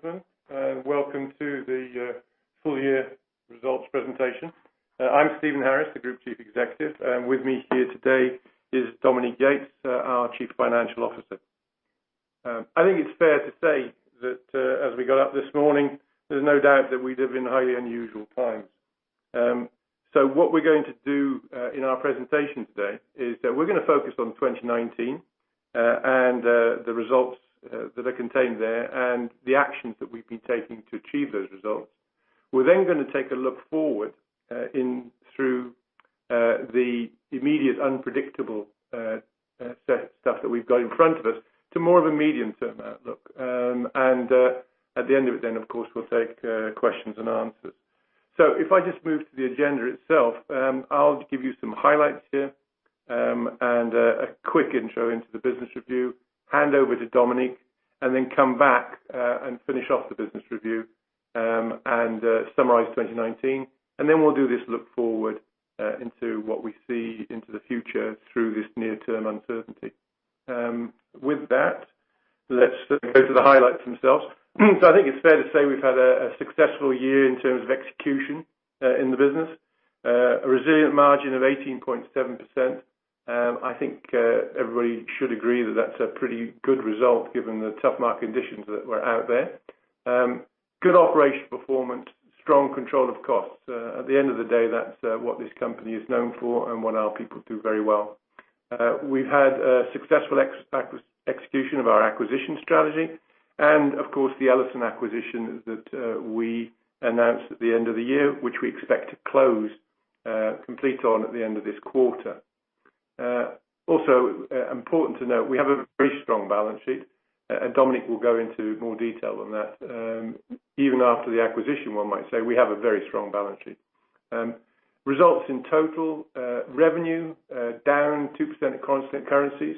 Good morning, ladies and gentlemen, and welcome to the Full-Year Results Presentation. I'm Stephen Harris, the Group Chief Executive, and with me here today is Dominique Yates, our Chief Financial Officer. I think it's fair to say that, as we got up this morning, there's no doubt that we live in highly unusual times. What we're going to do, in our presentation today is that we're gonna focus on 2019, and the results that are contained there, and the actions that we've been taking to achieve those results. We're then gonna take a look forward, in through, the immediate unpredictable set of stuff that we've got in front of us to more of a medium-term outlook. At the end of it then, of course, we'll take questions and answers. So if I just move to the agenda itself, I'll give you some highlights here, and a quick intro into the business review, hand over to Dominique, and then come back, and finish off the business review, and summarize 2019. And then we'll do this look forward, into what we see into the future through this near-term uncertainty. With that, let's go to the highlights themselves. So I think it's fair to say we've had a successful year in terms of execution, in the business, a resilient margin of 18.7%. I think everybody should agree that that's a pretty good result given the tough market conditions that we're out there. Good operational performance, strong control of costs. At the end of the day, that's what this company is known for and what our people do very well. We've had a successful execution of our acquisition strategy and, of course, the Ellison acquisition that we announced at the end of the year, which we expect to close, complete on at the end of this quarter. Also, important to note, we have a very strong balance sheet, and Dominique will go into more detail on that. Even after the acquisition, one might say, we have a very strong balance sheet. Results in total, revenue down 2% in constant currencies,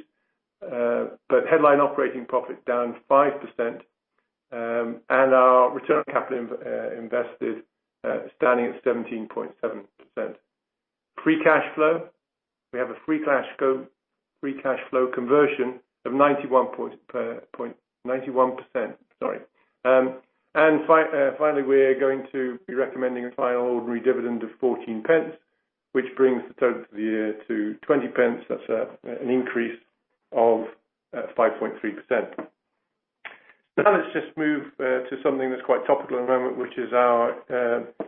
but headline operating profit down 5%, and our return on capital invested standing at 17.7%. Free cash flow, we have a free cash flow conversion of 91%, sorry. And finally, we're going to be recommending a final ordinary dividend of GBX 14, which brings the total for the year to GBX 20. That's an increase of 5.3%. Now let's just move to something that's quite topical at the moment, which is our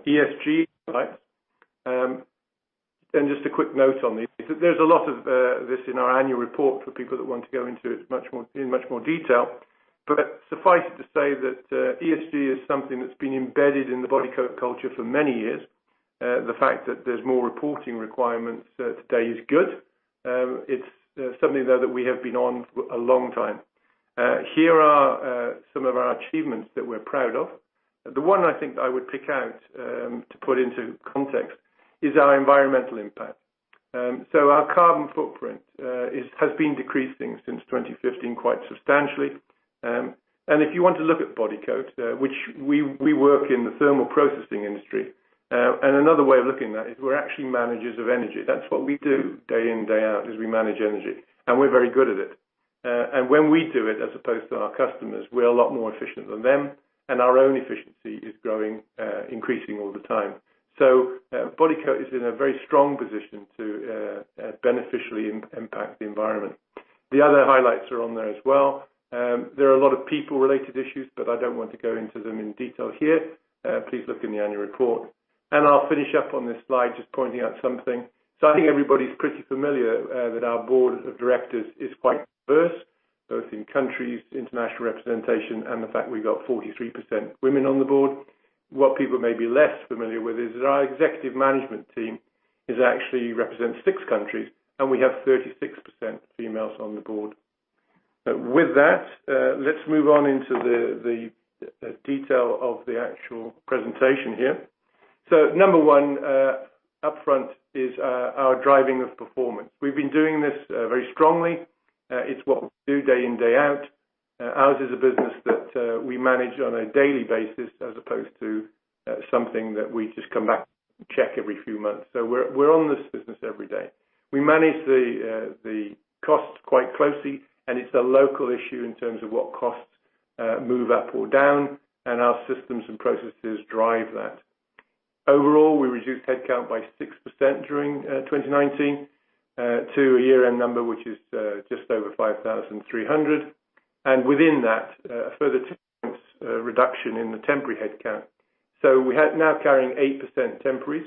ESG highlights. And just a quick note on these. There's a lot of this in our annual report for people that want to go into it much more in much more detail. But suffice it to say that ESG is something that's been embedded in the Bodycote culture for many years. The fact that there's more reporting requirements today is good. It's something, though, that we have been on for a long time. Here are some of our achievements that we're proud of. The one I think I would pick out to put into context is our environmental impact. So our carbon footprint has been decreasing since 2015 quite substantially. If you want to look at Bodycote, which we, we work in the thermal processing industry, and another way of looking at that is we're actually managers of energy. That's what we do day in, day out, is we manage energy, and we're very good at it. And when we do it as opposed to our customers, we're a lot more efficient than them, and our own efficiency is growing, increasing all the time. So, Bodycote is in a very strong position to beneficially impact the environment. The other highlights are on there as well. There are a lot of people-related issues, but I don't want to go into them in detail here. Please look in the annual report. And I'll finish up on this slide just pointing out something. So I think everybody's pretty familiar that our board of directors is quite diverse, both in countries, international representation, and the fact we got 43% women on the board. What people may be less familiar with is that our executive management team actually represents six countries, and we have 36% females on the board. With that, let's move on into the detail of the actual presentation here. So number one, upfront is, our driving of performance. We've been doing this, very strongly. It's what we do day in, day out. Ours is a business that we manage on a daily basis as opposed to something that we just come back and check every few months. So we're, we're on this business every day. We manage the costs quite closely, and it's a local issue in terms of what costs move up or down, and our systems and processes drive that. Overall, we reduced headcount by 6% during 2019, to a year-end number which is just over 5,300. And within that, a further two-point reduction in the temporary headcount. So we have now carrying 8% temporaries.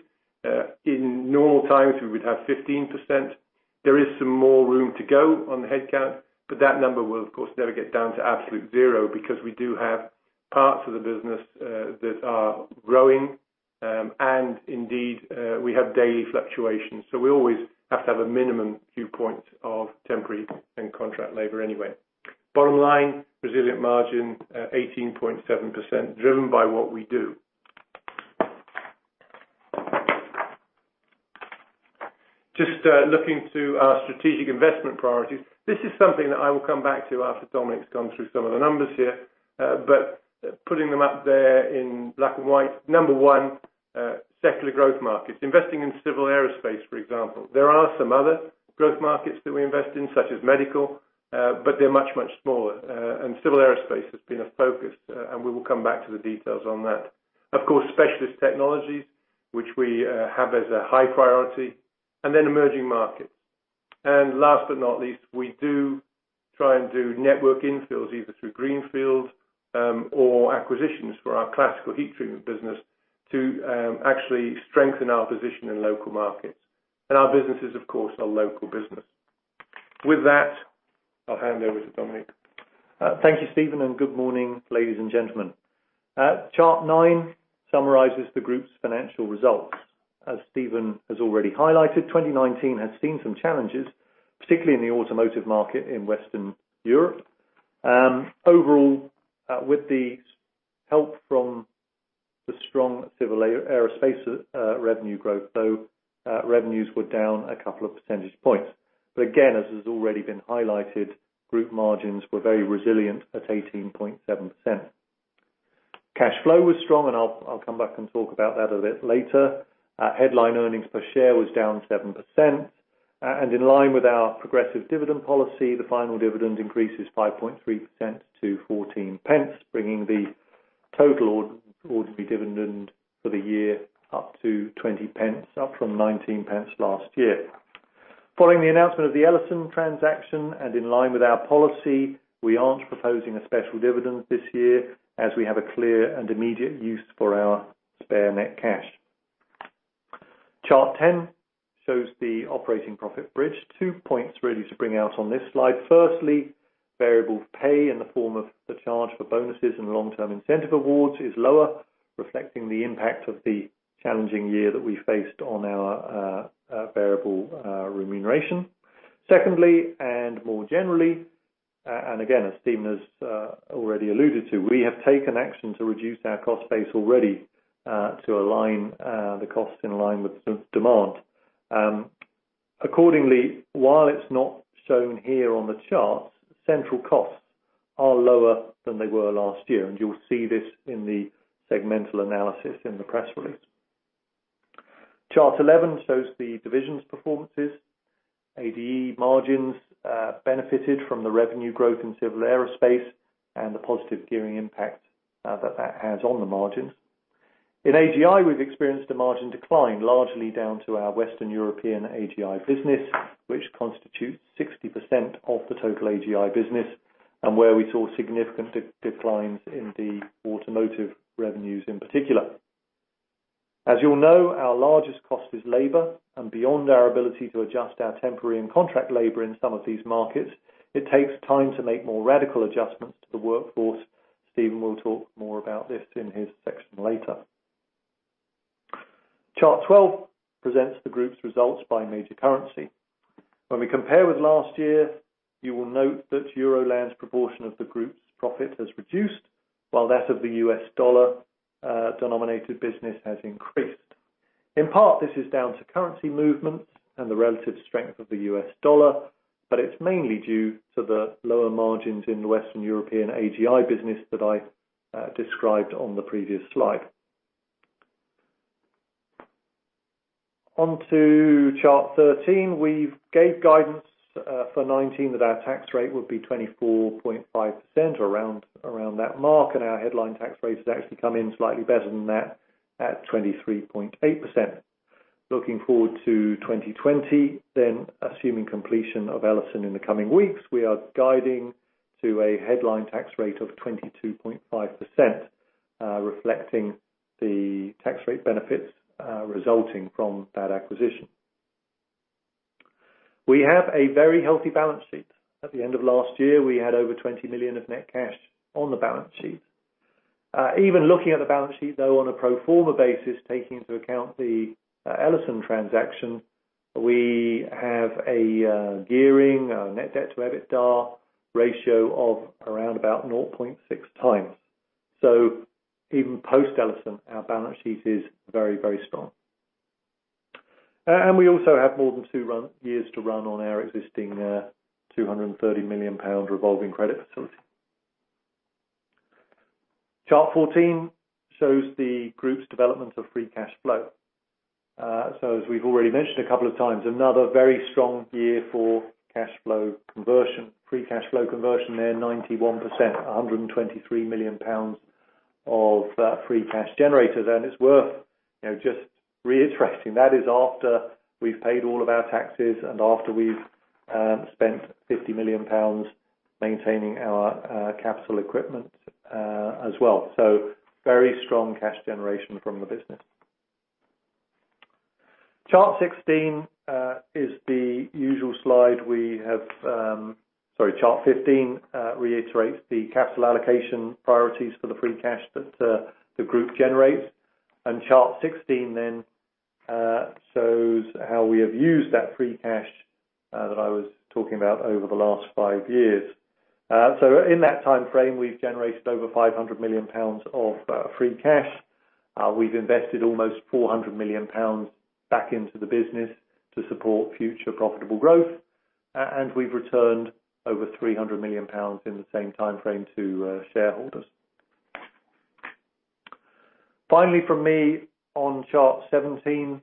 In normal times, we would have 15%. There is some more room to go on the headcount, but that number will, of course, never get down to absolute zero because we do have parts of the business that are growing, and indeed, we have daily fluctuations. So we always have to have a minimum few points of temporary and contract labor anyway. Bottom line, resilient margin, 18.7% driven by what we do. Just looking to our strategic investment priorities, this is something that I will come back to after Dominique's gone through some of the numbers here, but putting them up there in black and white. Number one, secular growth markets. Investing in Civil Aerospace, for example. There are some other growth markets that we invest in, such as medical, but they're much, much smaller. And Civil Aerospace has been a focus, and we will come back to the details on that. Of Specialist Technologies, which we have as a high priority, and then Emerging Markets. And last but not least, we do try and do network infills either through greenfield or acquisitions for our Classical Heat Treatment business to actually strengthen our position in local markets. And our businesses, of course, are local businesses. With that, I'll hand over to Dominique. Thank you, Stephen, and good morning, ladies and gentlemen. Chart nine summarizes the group's financial results. As Stephen has already highlighted, 2019 has seen some challenges, particularly in the automotive market in Western Europe. Overall, with the help from the strong Civil Aerospace, revenue growth, though, revenues were down a couple of percentage points. But again, as has already been highlighted, group margins were very resilient at 18.7%. Cash flow was strong, and I'll come back and talk about that a bit later. Headline earnings per share was down 7%. And in line with our progressive dividend policy, the final dividend increases 5.3% to 0.14, bringing the total ordinary dividend for the year up to 0.20, up from 0.19 last year. Following the announcement of the Ellison transaction and in line with our policy, we aren't proposing a special dividend this year as we have a clear and immediate use for our spare net cash. Chart 10 shows the operating profit bridge. Two points really to bring out on this slide. Firstly, variable pay in the form of the charge for bonuses and long-term incentive awards is lower, reflecting the impact of the challenging year that we faced on our variable remuneration. Secondly, and more generally, and again, as Stephen has already alluded to, we have taken action to reduce our cost base already to align the costs in line with the demand. Accordingly, while it's not shown here on the charts, central costs are lower than they were last year, and you'll see this in the segmental analysis in the press release. Chart 11 shows the division's performances. ADE margins benefited from the revenue growth in Civil Aerospace and the positive gearing impact that that has on the margins. In AGI, we've experienced a margin decline, largely down to our Western European AGI business, which constitutes 60% of the total AGI business and where we saw significant declines in the automotive revenues in particular. As you'll know, our largest cost is labor, and beyond our ability to adjust our temporary and contract labor in some of these markets, it takes time to make more radical adjustments to the workforce. Stephen will talk more about this in his section later. Chart 12 presents the group's results by major currency. When we compare with last year, you will note that Euroland's proportion of the group's profit has reduced, while that of the U.S. dollar denominated business has increased. In part, this is down to currency movements and the relative strength of the US dollar, but it's mainly due to the lower margins in the Western European AGI business that I described on the previous slide. Onto chart 13. We gave guidance for 2019 that our tax rate would be 24.5% or around that mark, and our headline tax rate has actually come in slightly better than that at 23.8%. Looking forward to 2020, then assuming completion of Ellison in the coming weeks, we are guiding to a headline tax rate of 22.5%, reflecting the tax rate benefits resulting from that acquisition. We have a very healthy balance sheet. At the end of last year, we had over 20 million of net cash on the balance sheet. Even looking at the balance sheet, though, on a pro forma basis, taking into account the Ellison transaction, we have a gearing, net debt to EBITDA ratio of around about 0.6 times. So even post-Ellison, our balance sheet is very, very strong. We also have more than two run years to run on our existing 230 million pound revolving credit facility. Chart 14 shows the group's development of free cash flow. As we've already mentioned a couple of times, another very strong year for cash flow conversion. Free cash flow conversion there, 91%, 123 million pounds of free cash generators. And it's worth, you know, just reiterating, that is after we've paid all of our taxes and after we've spent 50 million pounds maintaining our capital equipment, as well. So very strong cash generation from the business. Chart 16 is the usual slide we have, sorry, chart 15, reiterates the capital allocation priorities for the free cash that the group generates. Chart 16 then shows how we have used that free cash that I was talking about over the last five years. So in that time frame, we've generated over 500 million pounds of free cash. We've invested almost 400 million pounds back into the business to support future profitable growth. We've returned over 300 million pounds in the same time frame to shareholders. Finally, from me on chart 17,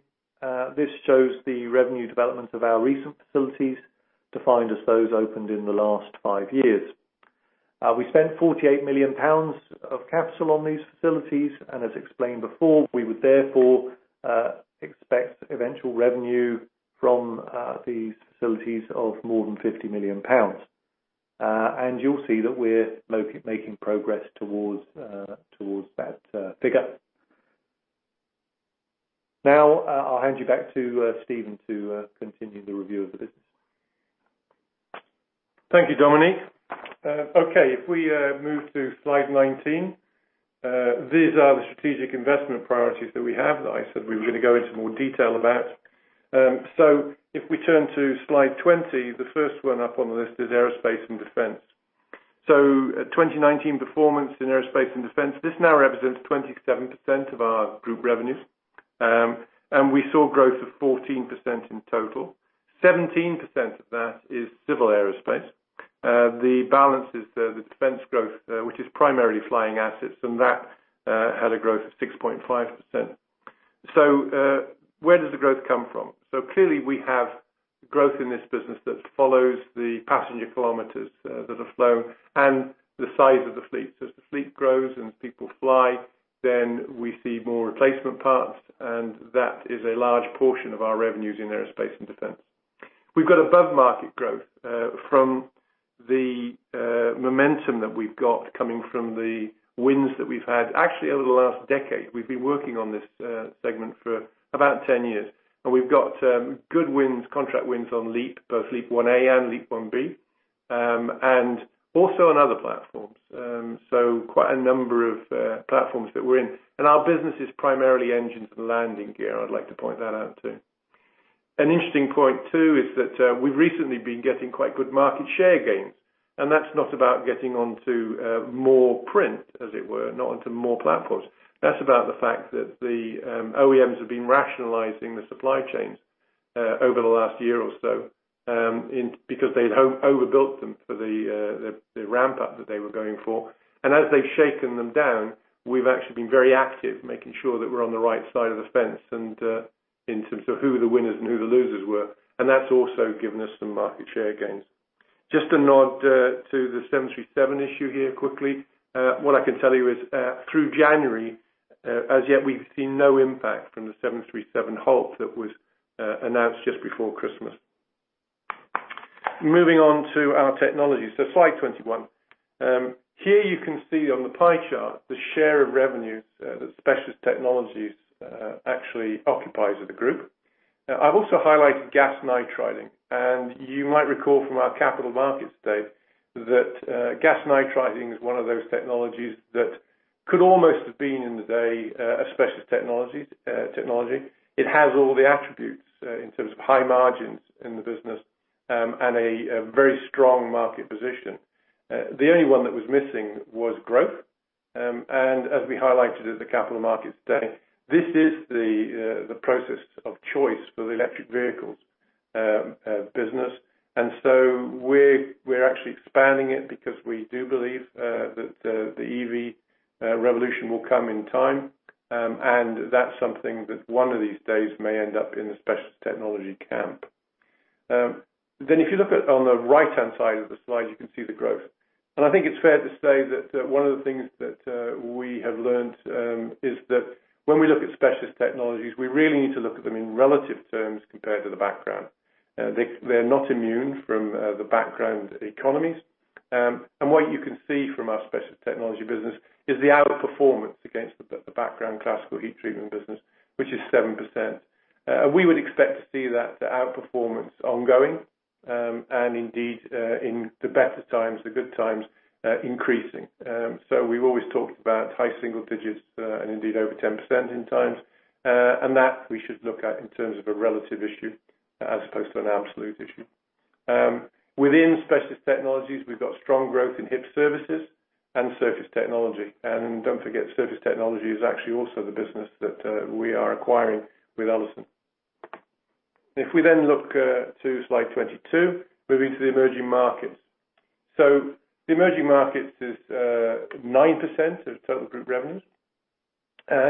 this shows the revenue development of our recent facilities, defined as those opened in the last five years. We spent 48 million pounds of capital on these facilities, and as explained before, we would therefore expect eventual revenue from these facilities of more than 50 million pounds. You'll see that we're making progress towards that figure. Now, I'll hand you back to Stephen to continue the review of the business. Thank you, Dominique. Okay, if we move to slide 19, these are the strategic investment priorities that we have that I said we were going to go into more detail about. So if we turn to slide 20, the first one up on the list is Aerospace and Defense. So, 2019 performance in Aerospace and Defense, this now represents 27% of our group revenues. And we saw growth of 14% in total. 17% of that is Civil Aerospace. The balance is the defense growth, which is primarily flying assets, and that had a growth of 6.5%. So, where does the growth come from? So clearly, we have growth in this business that follows the passenger kilometers that have flown and the size of the fleet. So as the fleet grows and as people fly, then we see more replacement parts, and that is a large portion of our revenues in Aerospace and Defense. We've got above-market growth from the momentum that we've got coming from the wins that we've had. Actually, over the last decade, we've been working on this segment for about 10 years. And we've got good wins, contract wins on LEAP, both LEAP-1A and LEAP-1B, and also on other platforms. So quite a number of platforms that we're in. And our business is primarily engines and landing gear. I'd like to point that out too. An interesting point too is that we've recently been getting quite good market share gains. And that's not about getting onto more print, as it were, not onto more platforms. That's about the fact that the OEMs have been rationalizing the supply chains over the last year or so, because they'd overbuilt them for the ramp-up that they were going for. And as they've shaken them down, we've actually been very active making sure that we're on the right side of the fence in terms of who the winners and who the losers were. And that's also given us some market share gains. Just a nod to the 737 issue here quickly. What I can tell you is, through January, as yet, we've seen no impact from the 737 halt that was announced just before Christmas. Moving on to our technologies. So slide 21. Here you can see on the pie chart the share of revenues Specialist Technologies actually occupies of the group. I've also highlighted gas nitriding. You might recall from our Capital Markets Day that gas nitriding is one of those technologies that could almost have been designed as a Specialist Technologies. It has all the attributes, in terms of high margins in the business, and a very strong market position. The only one that was missing was growth. And as we highlighted at the Capital Markets Day, this is the process of choice for the electric vehicle business. And so we're actually expanding it because we do believe that the EV revolution will come in time. And that's something that one of these days may end up in the Specialist Technologies camp. Then if you look at on the right-hand side of the slide, you can see the growth. I think it's fair to say that one of the things that we have learned is that when we look Specialist Technologies, we really need to look at them in relative terms compared to the background. They're not immune from the background economies. And what you can see from our Specialist Technologies business is the outperformance against the background classical heat treatment business, which is 7%. And we would expect to see that outperformance ongoing, and indeed, in the better times, the good times, increasing. So we've always talked about high single digits, and indeed over 10% in times. And that we should look at in terms of a relative issue as opposed to an absolute issue. Specialist Technologies, we've got strong growth in HIP services and Surface Technology. And don't forget, Surface Technology is actually also the business that we are acquiring with Ellison. If we then look to slide 22, moving to the Emerging Markets. So the Emerging Markets is 9% of total group revenues.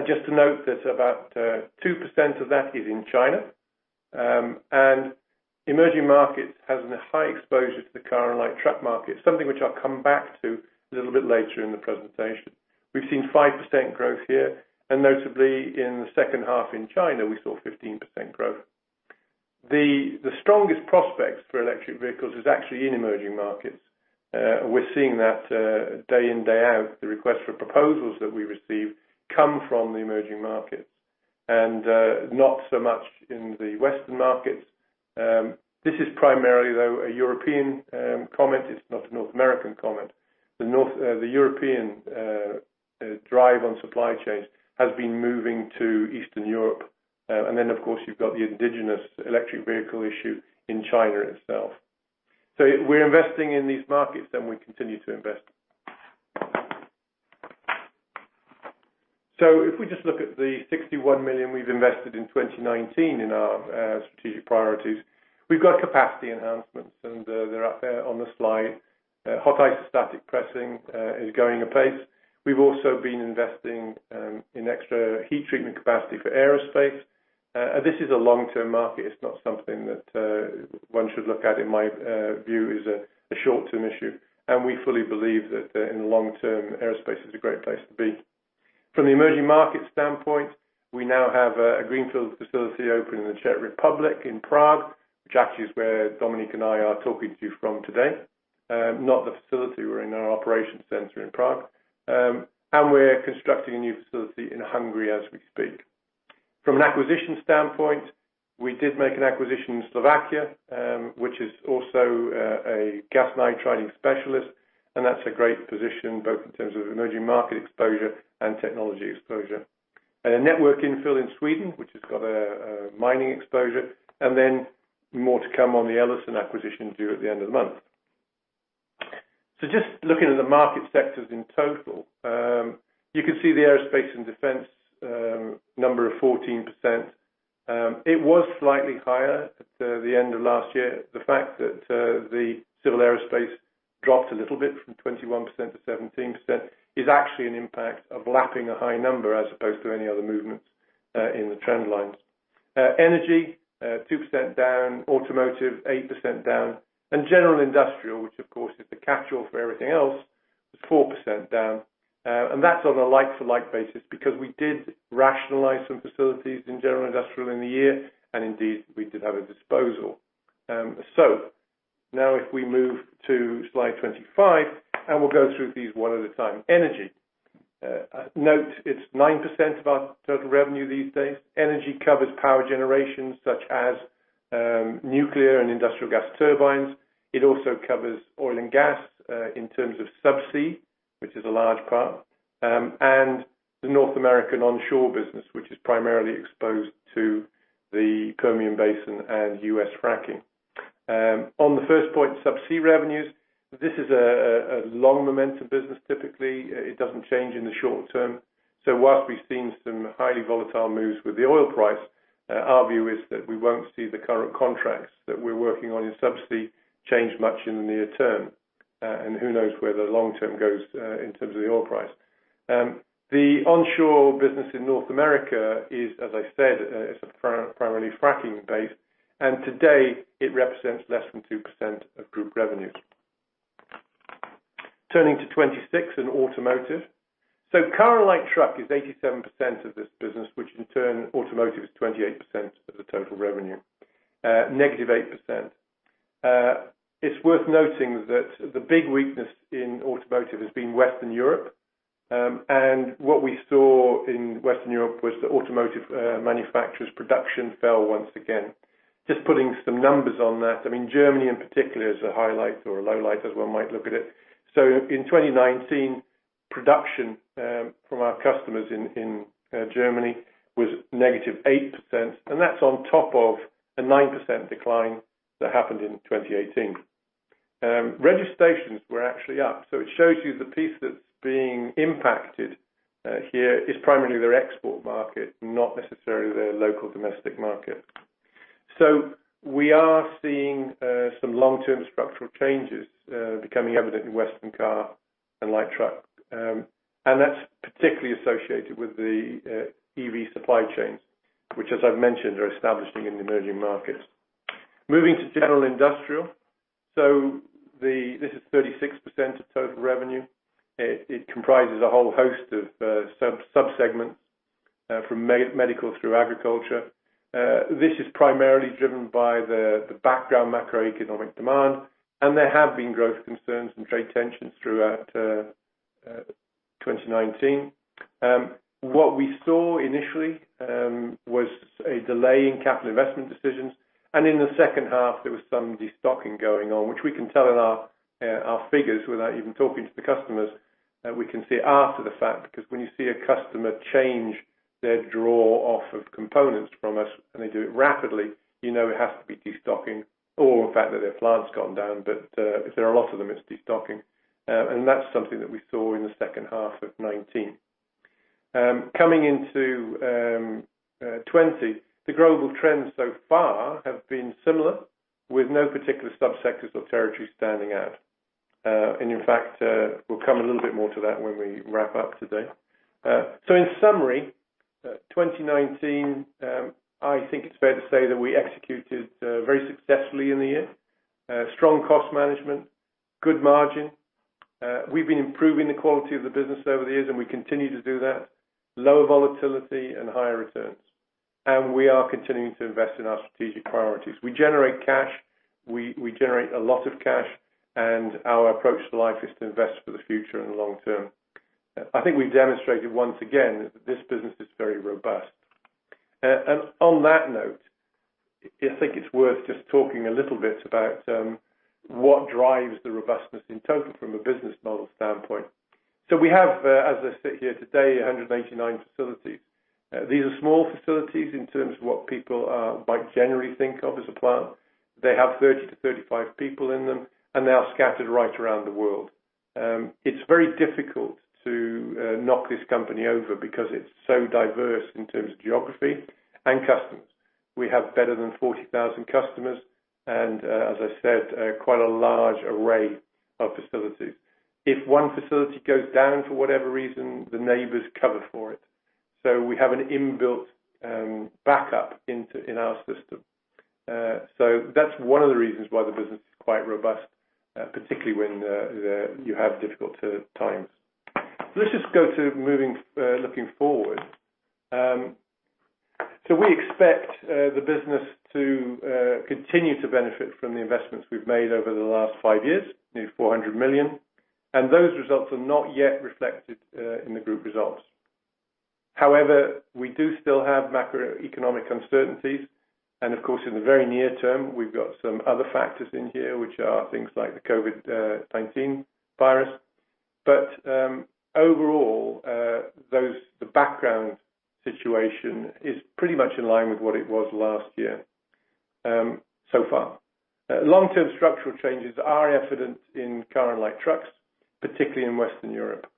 Just to note that about 2% of that is in China. And Emerging Markets has a high exposure to the car and light truck market, something which I'll come back to a little bit later in the presentation. We've seen 5% growth here. And notably, in the second half in China, we saw 15% growth. The strongest prospects for electric vehicles is actually in Emerging Markets. We're seeing that day in, day out, the requests for proposals that we receive come from the Emerging Markets and not so much in the Western markets. This is primarily, though, a European comment. It's not a North American comment. The North, the European, drive on supply chains has been moving to Eastern Europe. and then, of course, you've got the indigenous electric vehicle issue in China itself. So we're investing in these markets, and we continue to invest. So if we just look at the 61 million we've invested in 2019 in our strategic priorities, we've got capacity enhancements, and they're up there on the slide. Hot Isostatic Pressing is going apace. We've also been investing in extra heat treatment capacity for aerospace. And this is a long-term market. It's not something that one should look at. In my view, it is a short-term issue. And we fully believe that in the long term, aerospace is a great place to be. From the Emerging Markets standpoint, we now have a greenfield facility open in the Czech Republic in Prague, which actually is where Dominique and I are talking to you from today, not the facility. We're in our operations center in Prague. We're constructing a new facility in Hungary as we speak. From an acquisition standpoint, we did make an acquisition in Slovakia, which is also a gas nitriding specialist. And that's a great position both in terms of emerging market exposure and technology exposure. And a network infill in Sweden, which has got a mining exposure. And then more to come on the Ellison acquisition due at the end of the month. So just looking at the market sectors in total, you can see the Aerospace and Defense number of 14%. It was slightly higher at the end of last year. The fact that the Civil Aerospace dropped a little bit from 21%-17% is actually an impact of lapping a high number as opposed to any other movements in the trend lines. Energy, 2% down. Automotive, 8% down. General industrial, which, of course, is the catch-all for everything else, was 4% down. That's on a like-for-like basis because we did rationalize some facilities in General Industrial in the year, and indeed, we did have a disposal. Now if we move to slide 25, and we'll go through these one at a time. Energy, note, it's 9% of our total revenue these days. Energy covers power generation such as nuclear and industrial gas turbines. It also covers oil and gas, in terms of subsea, which is a large part. And the North American onshore business, which is primarily exposed to the Permian Basin and U.S. fracking. On the first point, subsea revenues, this is a long momentum business typically. It doesn't change in the short term. So while we've seen some highly volatile moves with the oil price, our view is that we won't see the current contracts that we're working on in subsea change much in the near term. And who knows where the long term goes, in terms of the oil price. The onshore business in North America is, as I said, it's a primarily fracking-based. And today, it represents less than 2% of group revenues. Turning to 2026 and automotive. So car and light truck is 87% of this business, which in turn, automotive is 28% of the total revenue, -8%. It's worth noting that the big weakness in automotive has been Western Europe. And what we saw in Western Europe was the automotive manufacturers' production fell once again. Just putting some numbers on that, I mean, Germany in particular is a highlight or a lowlight as one might look at it. So in 2019, production from our customers in Germany was -8%. And that's on top of a 9% decline that happened in 2018. Registrations were actually up. So it shows you the piece that's being impacted here is primarily their export market, not necessarily their local domestic market. So we are seeing some long-term structural changes becoming evident in Western car and light truck, and that's particularly associated with the EV supply chains, which, as I've mentioned, are establishing in the Emerging Markets. Moving to general industrial. So this is 36% of total revenue. It comprises a whole host of subsegments, from medical through agriculture. This is primarily driven by the background macroeconomic demand. And there have been growth concerns and trade tensions throughout 2019. What we saw initially was a delay in capital investment decisions. In the second half, there was some destocking going on, which we can tell in our figures without even talking to the customers. We can see it after the fact because when you see a customer change their draw-off of components from us, and they do it rapidly, you know it has to be destocking or the fact that their plants gone down. But if there are a lot of them, it's destocking. And that's something that we saw in the second half of 2019. Coming into 2020, the global trends so far have been similar with no particular subsectors or territory standing out. And in fact, we'll come a little bit more to that when we wrap up today. So in summary, 2019, I think it's fair to say that we executed very successfully in the year. Strong cost management, good margin. We've been improving the quality of the business over the years, and we continue to do that. Lower volatility and higher returns. We are continuing to invest in our strategic priorities. We generate cash. We generate a lot of cash. Our approach to life is to invest for the future and the long term. I think we've demonstrated once again that this business is very robust. On that note, I think it's worth just talking a little bit about what drives the robustness in total from a business model standpoint. So we have, as I sit here today, 189 facilities. These are small facilities in terms of what people might generally think of as a plant. They have 30 to 35 people in them, and they are scattered right around the world. It's very difficult to knock this company over because it's so diverse in terms of geography and customers. We have better than 40,000 customers and, as I said, quite a large array of facilities. If one facility goes down for whatever reason, the neighbors cover for it. So we have an inbuilt backup into in our system. So that's one of the reasons why the business is quite robust, particularly when there you have difficult times. So let's just go to moving, looking forward. So we expect the business to continue to benefit from the investments we've made over the last five years, nearly 400 million. And those results are not yet reflected in the group results. However, we do still have macroeconomic uncertainties. And of course, in the very near term, we've got some other factors in here, which are things like the COVID-19 virus. But overall, though the background situation is pretty much in line with what it was last year, so far. Long-term structural changes are evident in car and light trucks, particularly in Western Europe.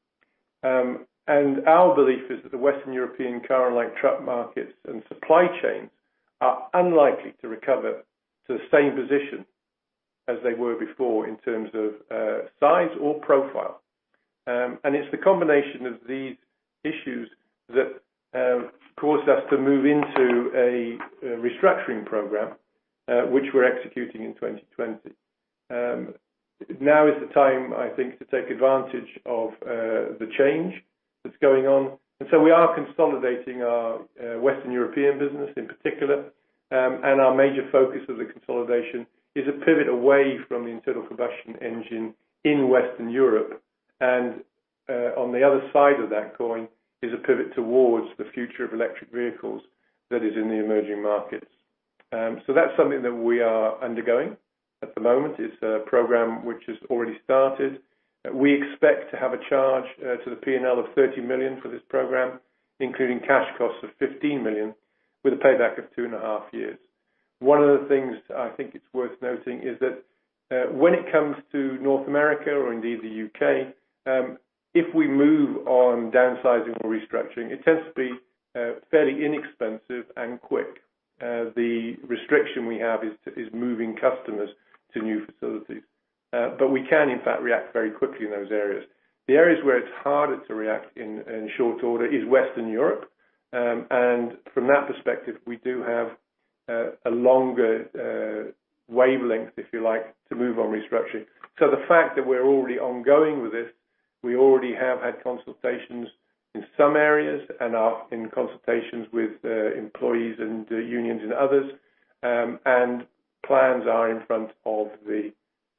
Our belief is that the Western European car and light truck markets and supply chains are unlikely to recover to the same position as they were before in terms of size or profile. It's the combination of these issues that caused us to move into a restructuring program, which we're executing in 2020. Now is the time, I think, to take advantage of the change that's going on. We are consolidating our Western European business in particular. Our major focus of the consolidation is a pivot away from the internal combustion engine in Western Europe. On the other side of that coin is a pivot towards the future of electric vehicles that is in the Emerging Markets. So that's something that we are undergoing at the moment. It's a program which has already started. We expect to have a charge to the P&L of 30 million for this program, including cash costs of 15 million with a payback of two and a half years. One of the things I think it's worth noting is that, when it comes to North America or indeed the U.K., if we move on downsizing or restructuring, it tends to be fairly inexpensive and quick. The restriction we have is to is moving customers to new facilities. But we can, in fact, react very quickly in those areas. The areas where it's harder to react in, in short order is Western Europe. From that perspective, we do have a longer wavelength, if you like, to move on restructuring. So the fact that we're already ongoing with this, we already have had consultations in some areas and are in consultations with employees and unions and others. Plans are in front of the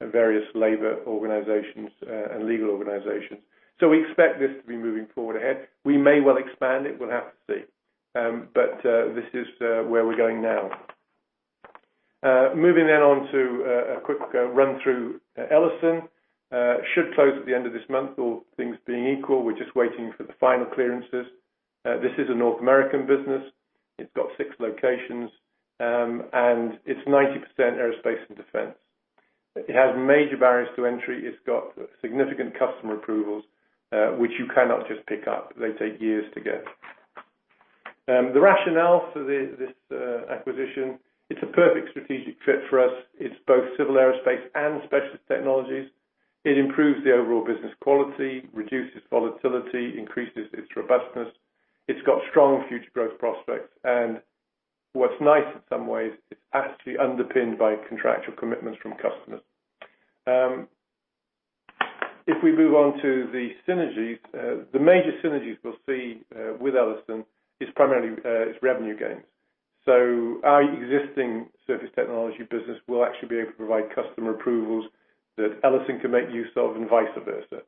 various labor organizations and legal organizations. So we expect this to be moving forward ahead. We may well expand it. We'll have to see. This is where we're going now. Moving then on to a quick run-through, Ellison. It should close at the end of this month, all things being equal. We're just waiting for the final clearances. This is a North American business. It's got six locations. It's 90% Aerospace and Defense. It has major barriers to entry. It's got significant customer approvals, which you cannot just pick up. They take years to get. The rationale for this acquisition, it's a perfect strategic fit for us. It's both Civil Aerospace Specialist Technologies. it improves the overall business quality, reduces volatility, increases its robustness. It's got strong future growth prospects. And what's nice in some ways, it's actually underpinned by contractual commitments from customers. If we move on to the synergies, the major synergies we'll see with Ellison is primarily, it's revenue gains. So our existing surface technology business will actually be able to provide customer approvals that Ellison can make use of and vice versa.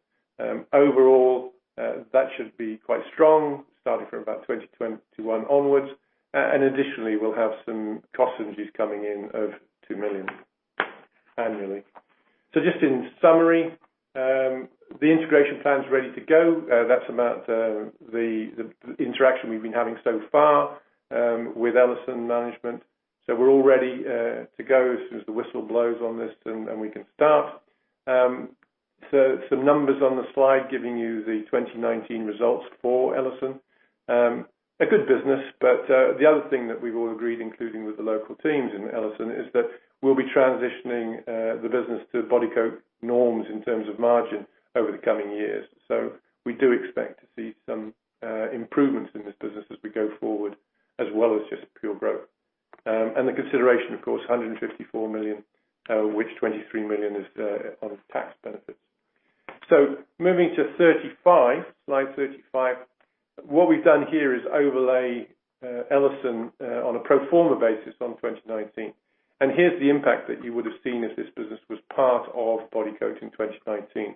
Overall, that should be quite strong starting from about 2021 onwards. And additionally, we'll have some cost synergies coming in of 2 million annually. So just in summary, the integration plan's ready to go. That's about the interaction we've been having so far with Ellison management. So we're already to go as soon as the whistle blows on this, and we can start. So some numbers on the slide giving you the 2019 results for Ellison. A good business. But the other thing that we've all agreed, including with the local teams in Ellison, is that we'll be transitioning the business to Bodycote norms in terms of margin over the coming years. So we do expect to see some improvements in this business as we go forward as well as just pure growth. And the consideration, of course, 154 million, of which 23 million is on tax benefits. So moving to Slide 35. What we've done here is overlay Ellison on a pro forma basis on 2019. And here's the impact that you would have seen if this business was part of Bodycote in 2019.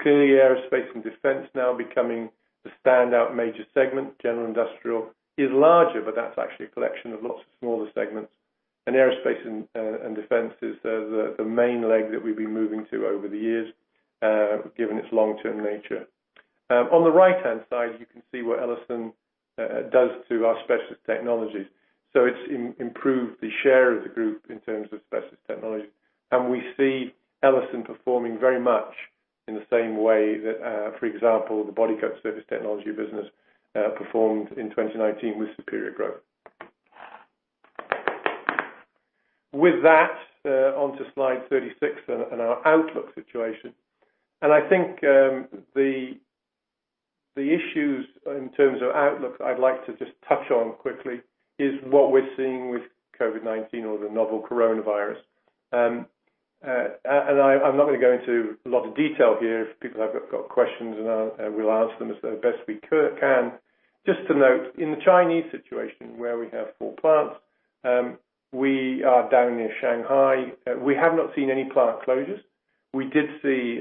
Clearly, Aerospace and Defense now becoming the standout major segment, general industrial, is larger, but that's actually a collection of lots of smaller segments. And Aerospace and Defense is the main leg that we've been moving to over the years, given its long-term nature. On the right-hand side, you can see what Ellison does to Specialist Technologies. so it's improved the share of the group in terms Specialist Technologies. and we see Ellison performing very much in the same way that, for example, the Bodycote Surface Technology business, performed in 2019 with superior growth. With that, on to Slide 36 and our outlook situation. And I think the issues in terms of outlook that I'd like to just touch on quickly is what we're seeing with COVID-19 or the novel coronavirus. And I'm not going to go into a lot of detail here. If people have got questions, and I'll and we'll answer them as best we can. Just to note, in the Chinese situation where we have four plants, we are down near Shanghai. We have not seen any plant closures. We did see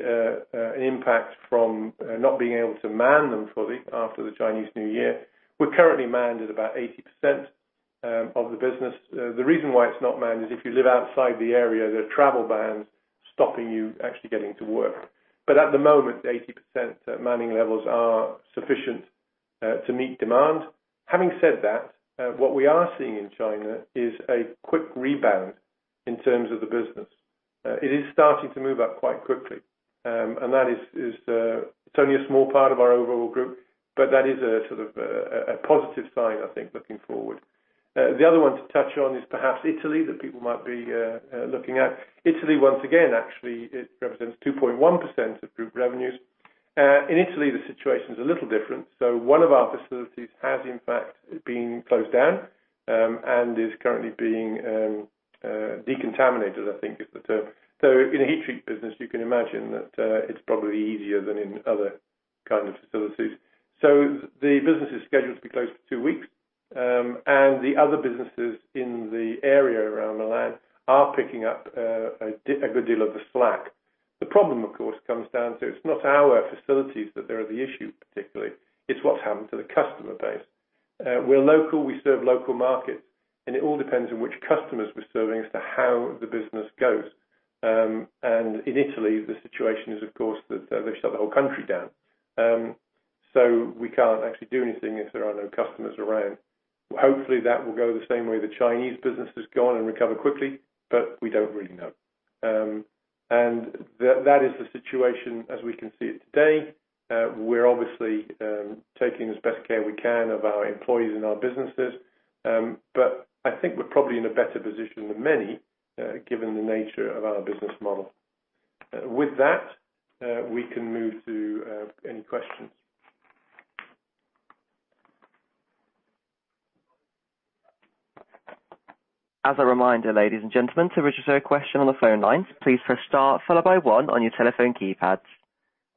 an impact from not being able to man them fully after the Chinese New Year. We're currently manned at about 80% of the business. The reason why it's not manned is if you live outside the area, there are travel bans stopping you actually getting to work. But at the moment, the 80% manning levels are sufficient to meet demand. Having said that, what we are seeing in China is a quick rebound in terms of the business. It is starting to move up quite quickly. And that is, it's only a small part of our overall group, but that is a sort of, a positive sign, I think, looking forward. The other one to touch on is perhaps Italy that people might be, looking at. Italy, once again, actually, it represents 2.1% of group revenues. In Italy, the situation's a little different. So one of our facilities has, in fact, been closed down, and is currently being, decontaminated, I think is the term. So in a heat treat business, you can imagine that, it's probably easier than in other kind of facilities. So the business is scheduled to be closed for two weeks. And the other businesses in the area around Milan are picking up a good deal of the slack. The problem, of course, comes down to it's not our facilities that they're the issue particularly. It's what's happened to the customer base. We're local. We serve local markets. And it all depends on which customers we're serving as to how the business goes. And in Italy, the situation is, of course, that they've shut the whole country down. So we can't actually do anything if there are no customers around. Hopefully, that will go the same way the Chinese business has gone and recover quickly, but we don't really know. And that, that is the situation as we can see it today. We're obviously taking as best care we can of our employees and our businesses. But I think we're probably in a better position than many, given the nature of our business model. With that, we can move to any questions. As a reminder, ladies and gentlemen, to register a question on the phone lines, please press star followed by one on your telephone keypads.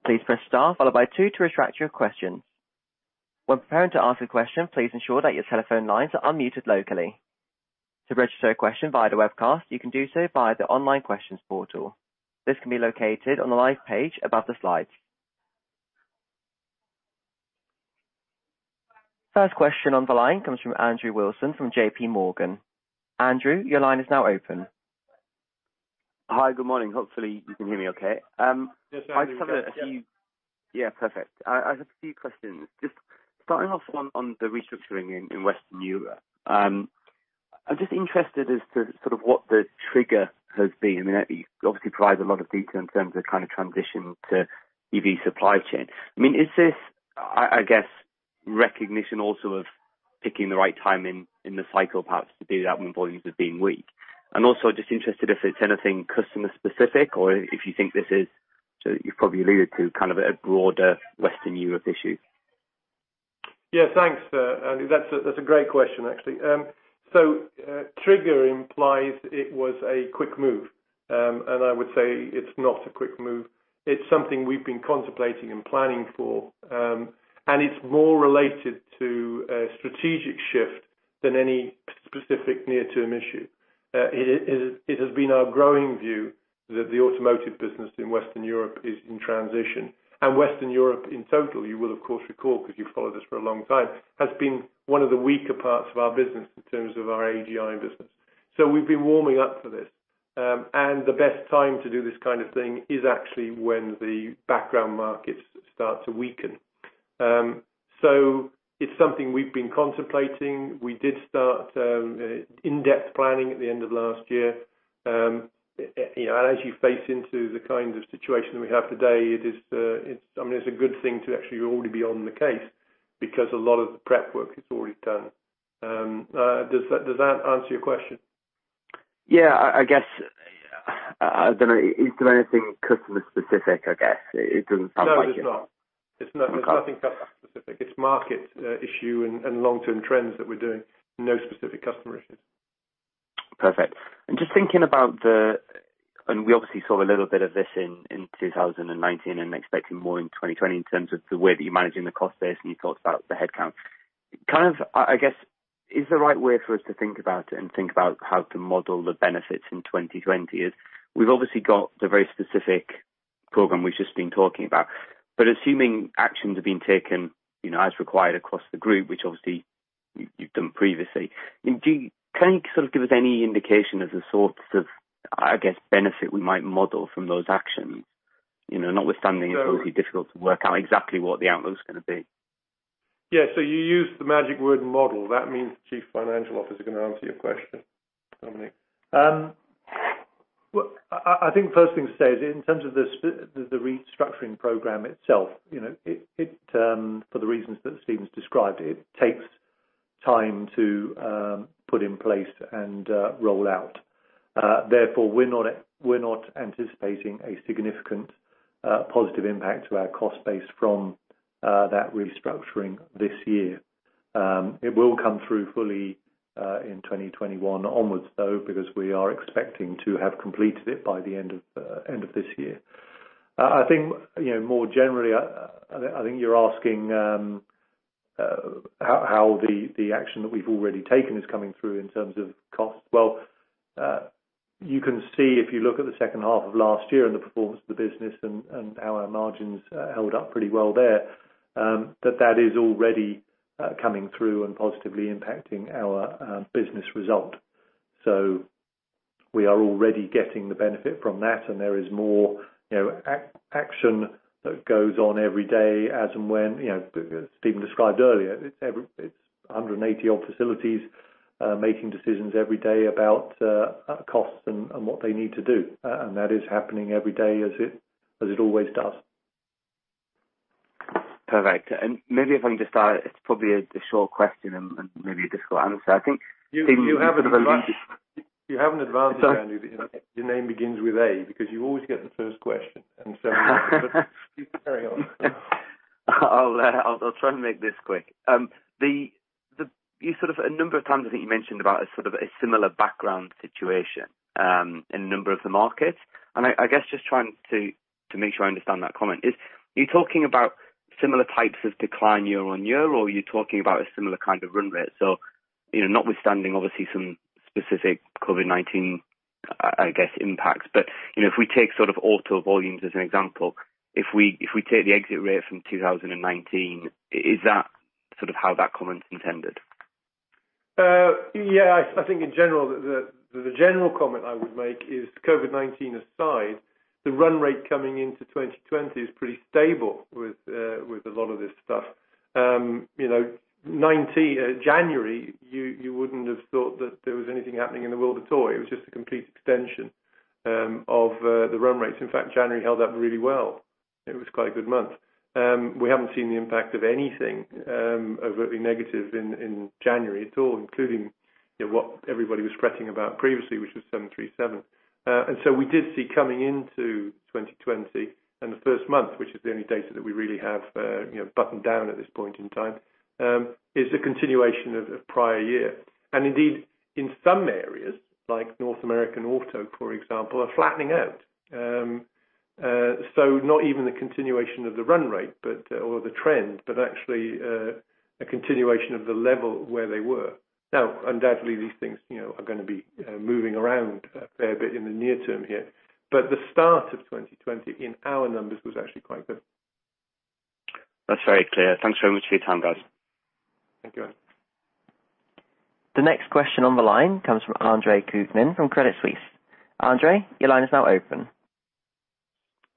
Please press star followed by two to retract your questions. When preparing to ask a question, please ensure that your telephone lines are unmuted locally. To register a question via the webcast, you can do so via the online questions portal. This can be located on the live page above the slides. First question on the line comes from Andrew Wilson from JPMorgan. Andrew, your line is now open. Hi. Good morning. Hopefully, you can hear me okay. I just have a few. Yeah, perfect. I have a few questions. Just starting off on the restructuring in Western Europe, I'm just interested as to sort of what the trigger has been. I mean, that you obviously provide a lot of detail in terms of kind of transition to EV supply chain. I mean, is this, I guess, recognition also of picking the right time in the cycle perhaps to do that when volumes have been weak? And also, just interested if it's anything customer-specific or if you think this is so you've probably alluded to kind of a broader Western Europe issue. Yeah, thanks, Andy. That's a great question, actually. Trigger implies it was a quick move. I would say it's not a quick move. It's something we've been contemplating and planning for. It's more related to a strategic shift than any specific near-term issue. It has been our growing view that the automotive business in Western Europe is in transition. Western Europe in total, you will, of course, recall because you've followed us for a long time, has been one of the weaker parts of our business in terms of our AGI business. So we've been warming up for this. The best time to do this kind of thing is actually when the background markets start to weaken. It's something we've been contemplating. We did start in-depth planning at the end of last year. You know, and as you face into the kind of situation that we have today, it is, it's I mean, it's a good thing to actually already be on the case because a lot of the prep work is already done. Does that answer your question? Yeah, I guess, I don't know. Is there anything customer-specific, I guess? It doesn't sound like it. No, there's not. It's not. There's nothing customer-specific. It's market issue and long-term trends that we're doing. No specific customer issues. Perfect. And just thinking about, and we obviously saw a little bit of this in 2019 and expecting more in 2020 in terms of the way that you're managing the cost base and you talked about the headcount. Kind of, I guess, is the right way for us to think about it and think about how to model the benefits in 2020 is we've obviously got the very specific program we've just been talking about. But assuming actions have been taken, you know, as required across the group, which obviously you've done previously, I mean, can you sort of give us any indication of the sorts of, I guess, benefit we might model from those actions? You know, notwithstanding it's obviously difficult to work out exactly what the outlook's going to be. Yeah. So you used the magic word model. That means the chief financial officer can answer your question, Dominique. Well, I think the first thing to say is in terms of the restructuring program itself, you know, for the reasons that Stephen's described, it takes time to put in place and roll out. Therefore, we're not anticipating a significant positive impact to our cost base from that restructuring this year. It will come through fully in 2021 onwards, though, because we are expecting to have completed it by the end of this year. I think, you know, more generally, I think you're asking how the action that we've already taken is coming through in terms of cost. Well, you can see if you look at the second half of last year and the performance of the business and how our margins held up pretty well there, that that is already coming through and positively impacting our business result. So we are already getting the benefit from that. And there is more, you know, action that goes on every day as and when, you know, Stephen described earlier. It's every it's 180-odd facilities, making decisions every day about costs and what they need to do. And that is happening every day as it always does. Perfect. And maybe if I can just start, it's probably a short question and maybe a difficult answer. I think Stephen's sort of already just. You have an advantage, Andy, that your name begins with A because you always get the first question. And so but keep carrying on. I'll try and make this quick. You sort of a number of times, I think, you mentioned about a sort of a similar background situation in a number of the markets. And I guess just trying to make sure I understand that comment is you're talking about similar types of decline year on year, or you're talking about a similar kind of run rate? So, you know, notwithstanding, obviously, some specific COVID-19, I guess, impacts. But, you know, if we take sort of auto volumes as an example, if we take the exit rate from 2019, is that sort of how that comment's intended? Yeah. I think in general, the general comment I would make is COVID-19 aside, the run rate coming into 2020 is pretty stable with a lot of this stuff. You know, 19 January, you wouldn't have thought that there was anything happening in the world at all. It was just a complete extension of the run rates. In fact, January held up really well. It was quite a good month. We haven't seen the impact of anything overtly negative in January at all, including, you know, what everybody was spreading about previously, which was 737. And so we did see coming into 2020 and the first month, which is the only data that we really have, you know, buttoned down at this point in time, is a continuation of prior year. And indeed, in some areas, like North American auto, for example, are flattening out. So not even the continuation of the run rate but, or the trend, but actually, a continuation of the level where they were. Now, undoubtedly, these things, you know, are going to be, moving around a fair bit in the near term here. But the start of 2020, in our numbers, was actually quite good. That's very clear. Thanks very much for your time, guys. Thank you, Andy. The next question on the line comes from Andre Kukhnin from Credit Suisse. Andre, your line is now open.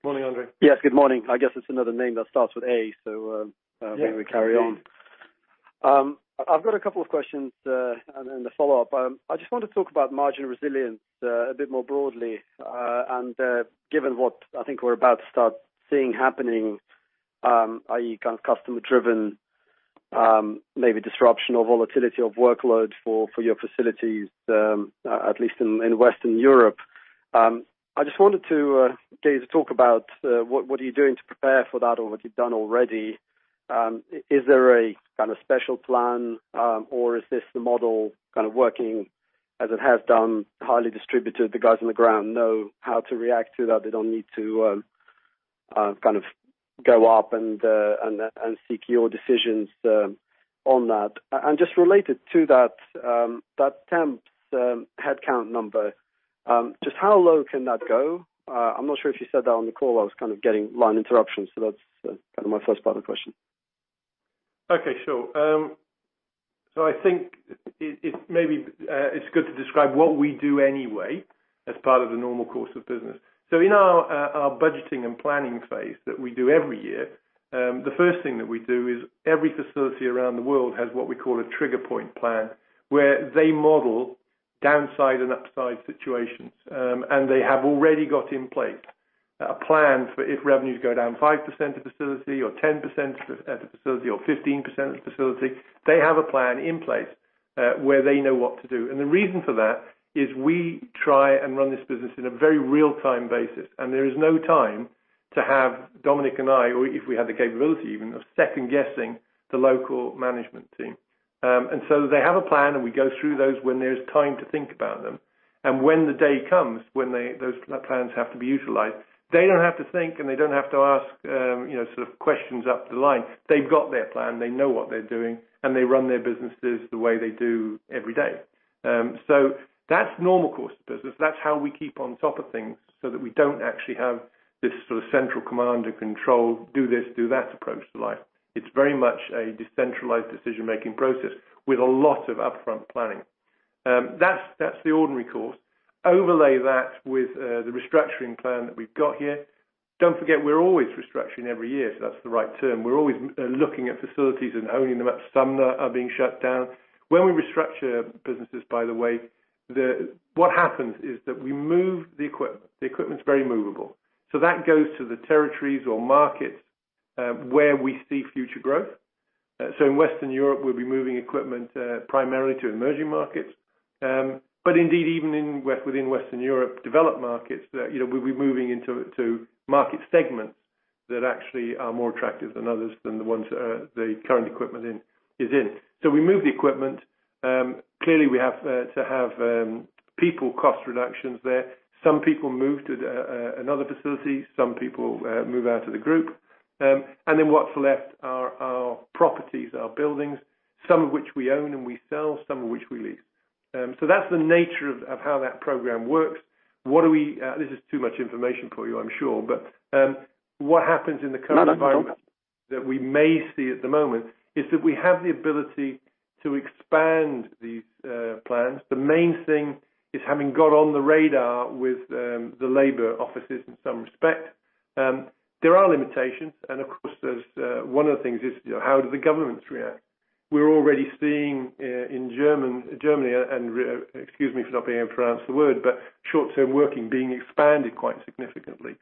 Morning, Andre. Yes, good morning. I guess it's another name that starts with A, so we will carry on. I've got a couple of questions and a follow-up. I just want to talk about margin resilience a bit more broadly. Given what I think we're about to start seeing happening, i.e., kind of customer-driven, maybe disruption or volatility of workload for your facilities, at least in Western Europe, I just wanted to get you to talk about what are you doing to prepare for that or what you've done already. Is there a kind of special plan, or is this the model kind of working as it has done, highly distributed? The guys on the ground know how to react to that. They don't need to kind of go up and seek your decisions on that. And just related to that, that temps, headcount number, just how low can that go? I'm not sure if you said that on the call. I was kind of getting line interruptions. So that's, kind of my first part of the question. Okay. Sure. So I think it maybe it's good to describe what we do anyway as part of the normal course of business. So in our budgeting and planning phase that we do every year, the first thing that we do is every facility around the world has what we call a Trigger point plan where they model downside and upside situations. And they have already got in place a plan for if revenues go down 5% of facility or 10% of the facility or 15% of the facility; they have a plan in place where they know what to do. And the reason for that is we try and run this business in a very real-time basis. And there is no time to have Dominique and I or if we had the capability even of second-guessing the local management team. So they have a plan, and we go through those when there's time to think about them. When the day comes when those plans have to be utilized, they don't have to think, and they don't have to ask, you know, sort of questions up the line. They've got their plan. They know what they're doing. They run their businesses the way they do every day. So that's normal course of business. That's how we keep on top of things so that we don't actually have this sort of central command and control, do this, do that approach to life. It's very much a decentralized decision-making process with a lot of upfront planning. That's the ordinary course. Overlay that with the restructuring plan that we've got here. Don't forget we're always restructuring every year. So that's the right term. We're always looking at facilities and honing them up. Some that are being shut down. When we restructure businesses, by the way, what happens is that we move the equipment. The equipment's very movable. So that goes to the territories or markets, where we see future growth. So in Western Europe, we'll be moving equipment, primarily to Emerging Markets. But indeed, even within Western Europe, developed markets, you know, we'll be moving into to market segments that actually are more attractive than others than the ones that the current equipment is in. So we move the equipment. Clearly, we have to have people cost reductions there. Some people move to another facility. Some people move out of the group. Then what's left are properties, are buildings, some of which we own and we sell, some of which we lease. So that's the nature of how that program works. This is too much information for you, I'm sure. But what happens in the current environment that we may see at the moment is that we have the ability to expand these plans. The main thing is having got on the radar with the labor offices in some respect. There are limitations. And of course, there's one of the things, you know, how do the governments react? We're already seeing in Germany, excuse me for not being able to recall the word, but short-term working being expanded quite significantly.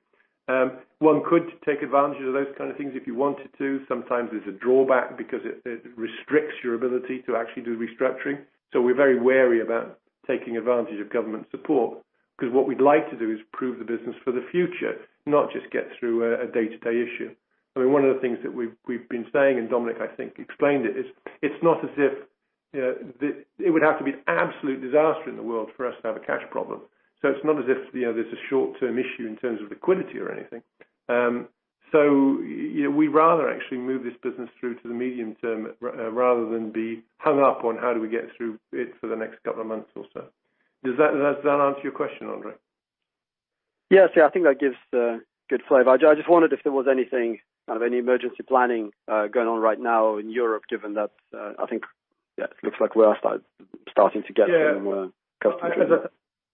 One could take advantage of those kind of things if you wanted to. Sometimes there's a drawback because it restricts your ability to actually do restructuring. So we're very wary about taking advantage of government support because what we'd like to do is prove the business for the future, not just get through a day-to-day issue. I mean, one of the things that we've been saying, and Dominique, I think, explained it, is it's not as if, you know, it would have to be an absolute disaster in the world for us to have a cash problem. So it's not as if, you know, there's a short-term issue in terms of liquidity or anything. So, you know, we'd rather actually move this business through to the medium-term rather than be hung up on how do we get through it for the next couple of months or so. Does that answer your question, Andre? Yeah. See, I think that gives good flavor. I just wondered if there was anything kind of any emergency planning going on right now in Europe given that, I think, yeah, it looks like we are starting to get some more customer training. Yeah. As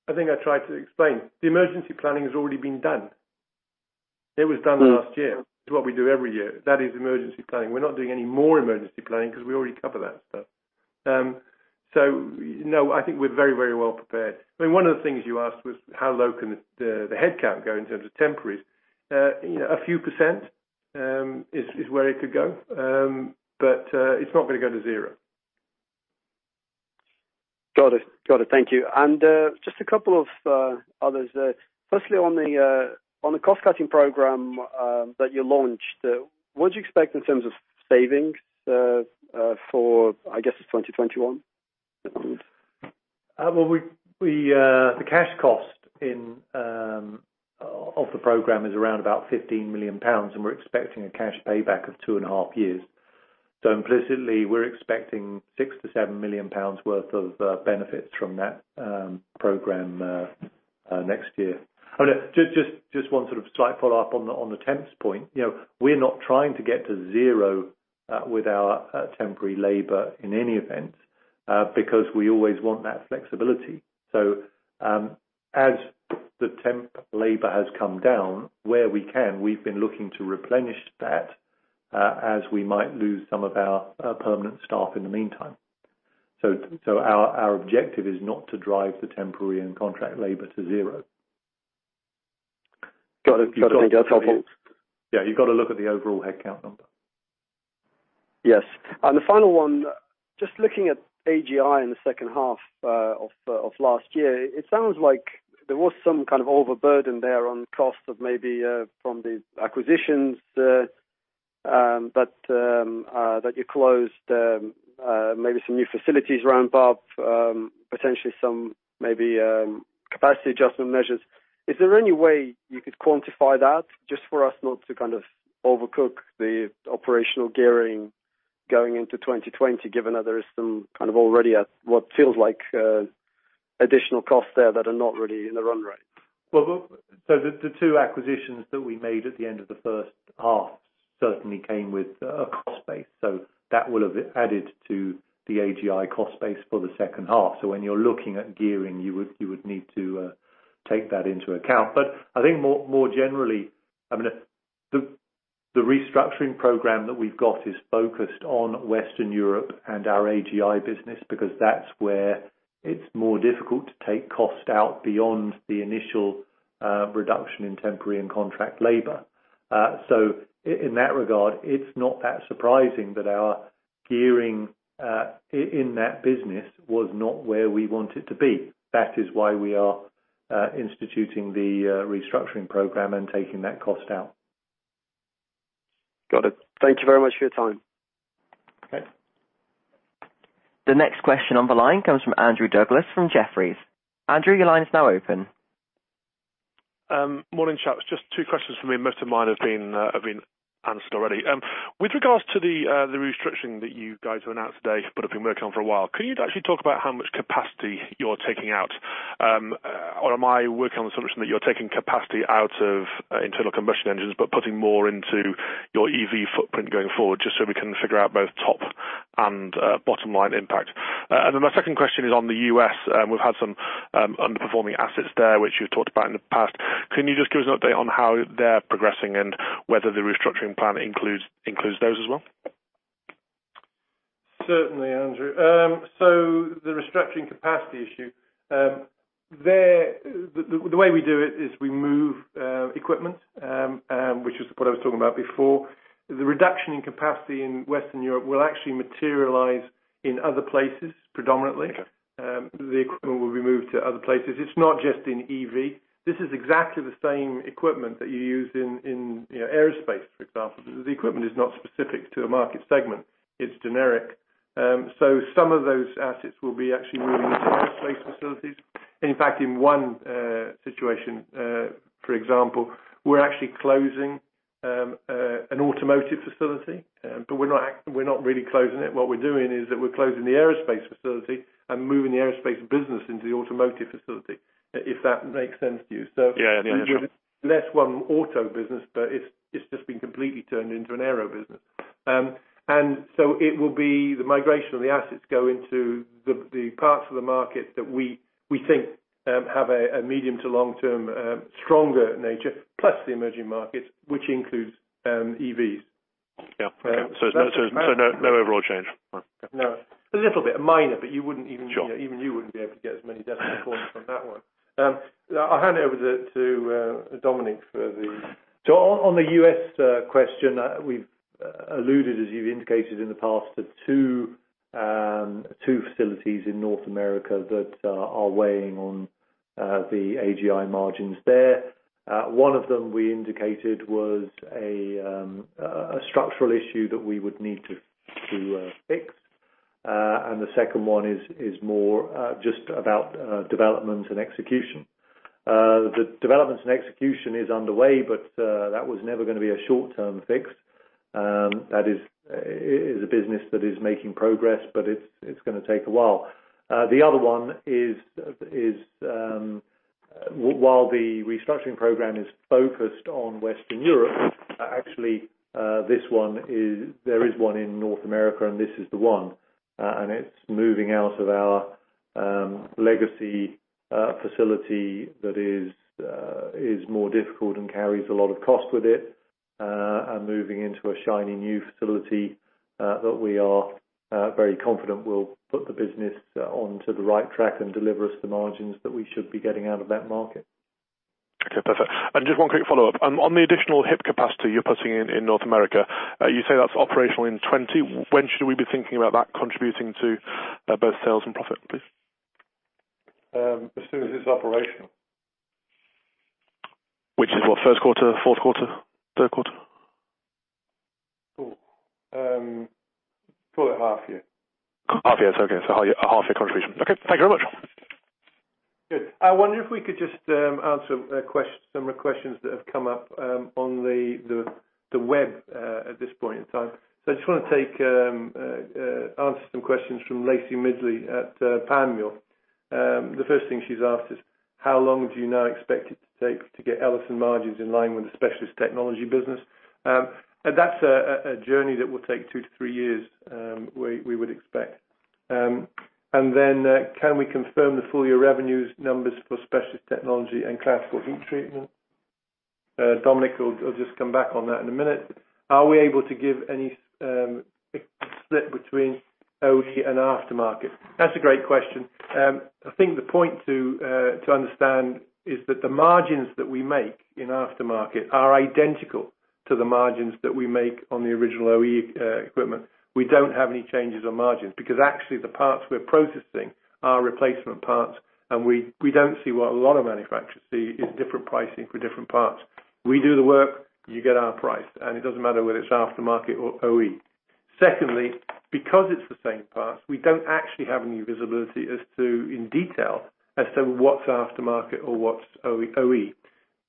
I think I tried to explain. The emergency planning has already been done. It was done last year. It's what we do every year. That is emergency planning. We're not doing any more emergency planning because we already cover that stuff. So, you know, I think we're very, very well prepared. I mean, one of the things you asked was how low can the headcount go in terms of temporaries. You know, a few %, is where it could go. But, it's not going to go to zero. Got it. Got it. Thank you. Just a couple of others. Firstly, on the cost-cutting program that you launched, what do you expect in terms of savings for, I guess, 2021? Well, we, the cash cost of the program is around about 15 million pounds. And we're expecting a cash payback of two and a half years. So implicitly, we're expecting 6 million-7 million pounds worth of benefits from that program next year. I mean, just one sort of slight follow-up on the temps point. You know, we're not trying to get to zero with our temporary labor in any event, because we always want that flexibility. So, as the temp labor has come down, where we can, we've been looking to replenish that, as we might lose some of our permanent staff in the meantime. So our objective is not to drive the temporary and contract labor to zero. Got it. Got it. Thank you. That's helpful. Yeah. You've got to look at the overall headcount number. Yes. And the final one, just looking at AGI in the second half of last year, it sounds like there was some kind of overburden there on costs maybe from the acquisitions that you closed, maybe some new facilities ramp up, potentially some capacity adjustment measures. Is there any way you could quantify that just for us not to kind of overcook the operational gearing going into 2020 given that there is already some kind of what feels like additional costs there that are not really in the run rate? Well, so the two acquisitions that we made at the end of the first half certainly came with a cost base. So that will have added to the AGI cost base for the second half. So when you're looking at gearing, you would need to take that into account. But I think more generally, I mean, the restructuring program that we've got is focused on Western Europe and our AGI business because that's where it's more difficult to take cost out beyond the initial reduction in temporary and contract labor. So in that regard, it's not that surprising that our gearing in that business was not where we want it to be. That is why we are instituting the restructuring program and taking that cost out. Got it. Thank you very much for your time. Okay. The next question on the line comes from Andrew Douglas from Jefferies. Andrew, your line is now open. Morning, chaps. Just two questions for me. Most of mine have been answered already. With regards to the restructuring that you guys announced today but have been working on for a while, can you actually talk about how much capacity you're taking out? Or am I working on the assumption that you're taking capacity out of internal combustion engines but putting more into your EV footprint going forward just so we can figure out both top- and bottom-line impact? And then my second question is on the U.S. We've had some underperforming assets there, which you've talked about in the past. Can you just give us an update on how they're progressing and whether the restructuring plan includes those as well? Certainly, Andrew. So the restructuring capacity issue, there the way we do it is we move equipment, which is what I was talking about before. The reduction in capacity in Western Europe will actually materialize in other places predominantly. Okay. The equipment will be moved to other places. It's not just in EV. This is exactly the same equipment that you use in, you know, aerospace, for example. The equipment is not specific to a market segment. It's generic. So some of those assets will be actually moving into aerospace facilities. In fact, in one situation, for example, we're actually closing an automotive facility, but we're not, we're not really closing it. What we're doing is that we're closing the aerospace facility and moving the aerospace business into the automotive facility, if that makes sense to you. So. Yeah. Yeah. Yeah. Sure. There's less one auto business, but it's just been completely turned into an aero business. And so it will be the migration of the assets go into the parts of the market that we think have a medium to long-term stronger nature plus the Emerging Markets, which includes EVs. Yeah. Okay. So it's no, no overall change. Okay. No. A little bit, a minor, but you wouldn't even be able to get as many decimal points on that one. I'll hand it over to Dominique for the- So on the U.S. question. We've alluded, as you've indicated in the past, to two facilities in North America that are weighing on the AGI margins there. One of them, we indicated, was a structural issue that we would need to fix. And the second one is more just about developments and execution. The developments and execution is underway, but that was never going to be a short-term fix. That is a business that is making progress, but it's going to take a while. The other one is while the restructuring program is focused on Western Europe, actually, this one, there is one in North America, and this is the one. It's moving out of our legacy facility that is more difficult and carries a lot of cost with it, and moving into a shiny new facility that we are very confident will put the business onto the right track and deliver us the margins that we should be getting out of that market. Okay. Perfect. And just one quick follow-up on the additional HIP capacity you're putting in, in North America, you say that's operational in 2020. When should we be thinking about that contributing to, both sales and profit, please? as soon as it's operational. Which is what, first quarter, fourth quarter, third quarter? Ooh. Call it half-year. Half-year. It's okay. So half-year contribution. Okay. Thank you very much. Good. I wonder if we could just answer a question, some more questions that have come up, on the web at this point in time. So I just want to answer some questions from Lacie Midgley at Panmure Gordon. The first thing she's asked is, "How long do you now expect it to take to get Ellison margins in line with the Specialist Technologies business?" And that's a journey that will take two to three years, we would expect. And then, "Can we confirm the full-year revenues numbers for Specialist Technologies and classical heat treatment?" Dominique will just come back on that in a minute. "Are we able to give any slip between OE and aftermarket?" That's a great question. I think the point to understand is that the margins that we make in aftermarket are identical to the margins that we make on the original OE equipment. We don't have any changes on margins because actually, the parts we're processing are replacement parts. And we don't see what a lot of manufacturers see is different pricing for different parts. We do the work. You get our price. And it doesn't matter whether it's aftermarket or OE. Secondly, because it's the same parts, we don't actually have any visibility as to in detail as to what's aftermarket or what's OE.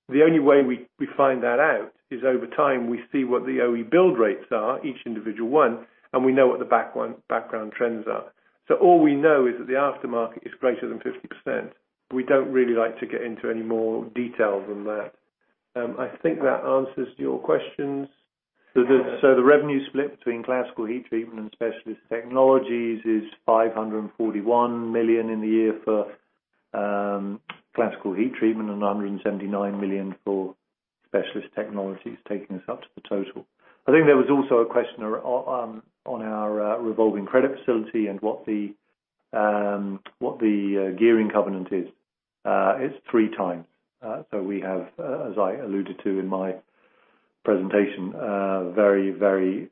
The only way we find that out is over time, we see what the OE build rates are, each individual one, and we know what the background trends are. So all we know is that the aftermarket is greater than 50%. We don't really like to get into any more detail than that. I think that answers your questions. So the revenue split between classical heat treatment Specialist Technologies is gbp 541 million in the year for classical heat treatment and 179 million Specialist Technologies, taking us up to the total. I think there was also a question on our revolving credit facility and what the gearing covenant is. It's 3x. So we have, as I alluded to in my presentation, very, very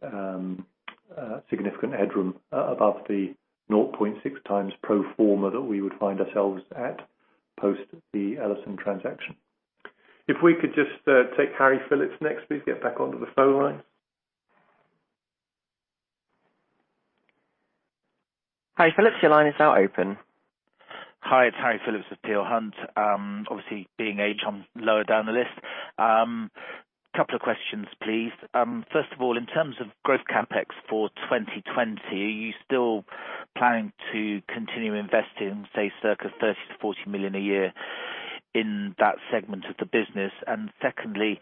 significant headroom above the 0.6x pro forma that we would find ourselves at post the Ellison transaction. If we could just take Harry Phillips next, please. Get back onto the phone line. Harry Phillips. Your line is now open. Hi. It's Harry Philips of Peel Hunt. Obviously, being H, I'm lower down the list. Couple of questions, please. First of all, in terms of growth CapEx for 2020, are you still planning to continue investing, say, circa 30 million-40 million a year in that segment of the business? And secondly,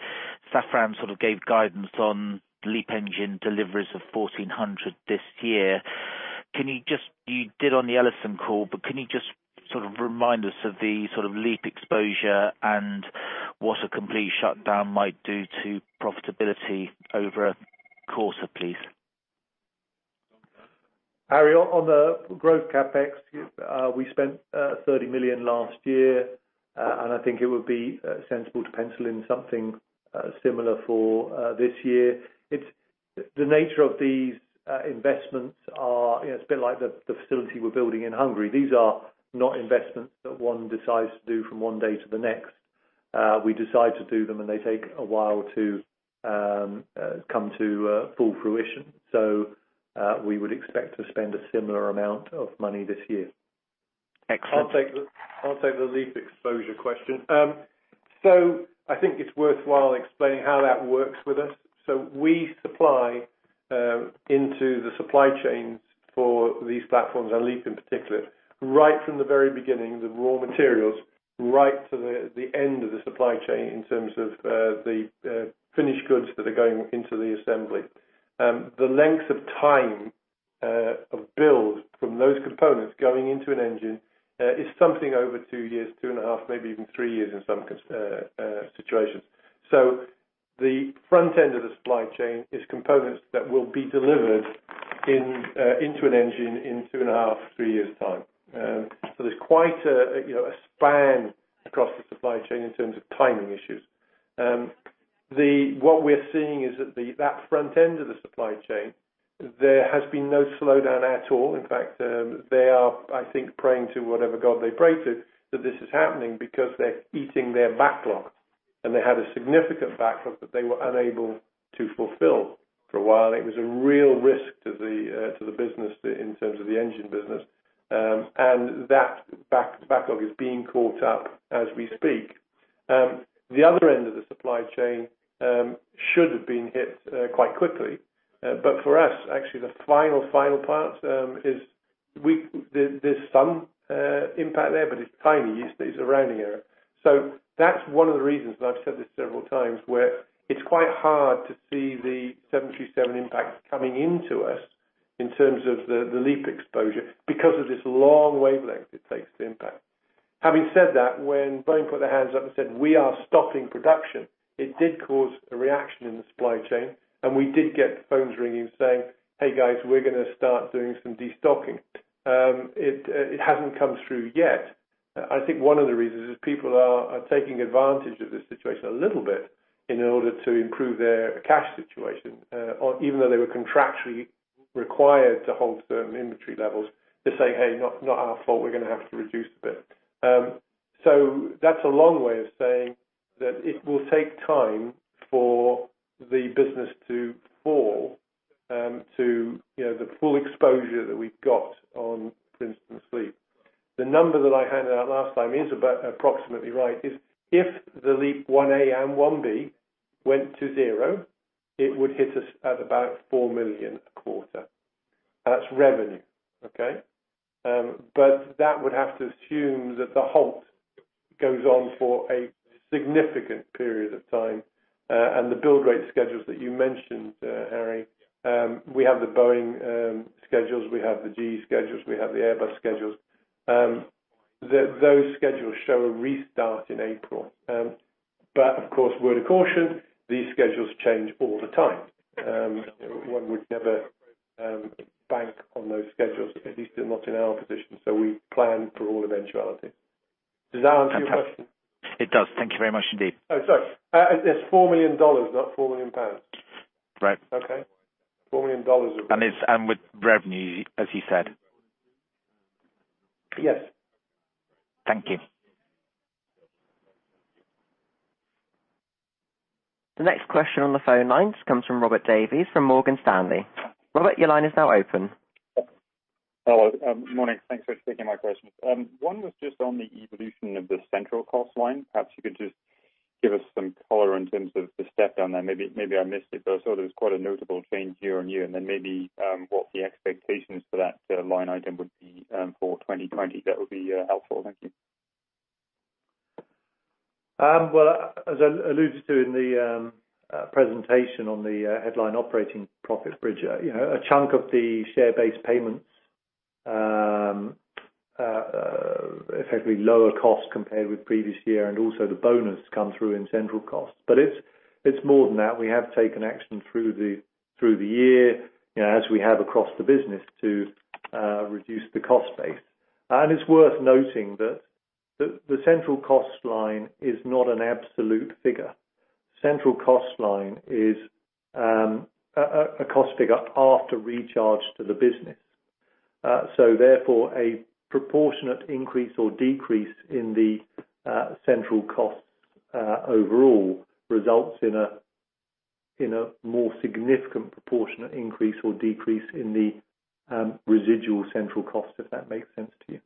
Safran sort of gave guidance on LEAP engine deliveries of 1,400 this year. Can you just you did on the Ellison call, but can you just sort of remind us of the sort of LEAP exposure and what a complete shutdown might do to profitability over a quarter, please? Harry, on the growth CapEx, we spent 30 million last year. And I think it would be sensible to pencil in something similar for this year. It's the nature of these investments. You know, it's a bit like the facility we're building in Hungary. These are not investments that one decides to do from one day to the next. We decide to do them, and they take a while to come to full fruition. So, we would expect to spend a similar amount of money this year. Excellent. I'll take the LEAP exposure question. So I think it's worthwhile explaining how that works with us. We supply into the supply chains for these platforms and LEAP in particular, right from the very beginning, the raw materials, right to the end of the supply chain in terms of the finished goods that are going into the assembly. The length of time of build from those components going into an engine is something over two years, 2.5, maybe even three years in some configurations. So the front end of the supply chain is components that will be delivered into an engine in 2.5, three years' time. So there's quite a you know, a span across the supply chain in terms of timing issues. What we're seeing is that the front end of the supply chain, there has been no slowdown at all. In fact, they are, I think, praying to whatever God they pray to that this is happening because they're eating their backlog. And they had a significant backlog that they were unable to fulfill for a while. And it was a real risk to the business in terms of the engine business. And that backlog is being caught up as we speak. The other end of the supply chain should have been hit quite quickly. But for us, actually, the final part is there's some impact there, but it's tiny. It's a rounding error. So that's one of the reasons, and I've said this several times, where it's quite hard to see the 737 impact coming into us in terms of the, the LEAP exposure because of this long wavelength it takes to impact. Having said that, when Boeing put their hands up and said, "We are stopping production," it did cause a reaction in the supply chain. And we did get phones ringing saying, "Hey, guys. We're going to start doing some destocking." It, it hasn't come through yet. I think one of the reasons is people are, are taking advantage of this situation a little bit in order to improve their cash situation, even though they were contractually required to hold certain inventory levels. They're saying, "Hey, not, not our fault. We're going to have to reduce a bit," so that's a long way of saying that it will take time for the business to fall to, you know, the full exposure that we've got on, for instance, LEAP. The number that I handed out last time is approximately right: if the LEAP-1A and LEAP-1B went to zero, it would hit us at about 4 million a quarter. That's revenue. Okay? But that would have to assume that the halt goes on for a significant period of time. And the build rate schedules that you mentioned, Harry, we have the Boeing schedules. We have the GE schedules. We have the Airbus schedules. Those schedules show a restart in April. But of course, word of caution, these schedules change all the time. One would never bank on those schedules, at least not in our position. We plan for all eventuality. Does that answer your question? It does. Thank you very much, indeed. Oh, sorry. It's $4 million, not 4 million pounds. Right. Okay? $4 million of. It's with revenue, as you said. Yes. Thank you. The next question on the phone lines comes from Robert Davies from Morgan Stanley. Robert, your line is now open. Good morning. Thanks for taking my questions. One was just on the evolution of the central cost line. Perhaps you could just give us some color in terms of the stepdown there. Maybe, maybe I missed it, but I saw there was quite a notable change YoY. And then maybe, what the expectations for that line item would be for 2020. That would be helpful. Thank you. Well, as I alluded to in the presentation on the headline operating profit bridge, you know, a chunk of the share-based payments effectively lower cost compared with previous year. And also, the bonus come through in central costs. But it's more than that. We have taken action through the year, you know, as we have across the business to reduce the cost base. And it's worth noting that the central cost line is not an absolute figure. The central cost line is a cost figure after recharge to the business. So therefore, a proportionate increase or decrease in the central costs overall results in a more significant proportionate increase or decrease in the residual central costs, if that makes sense to you.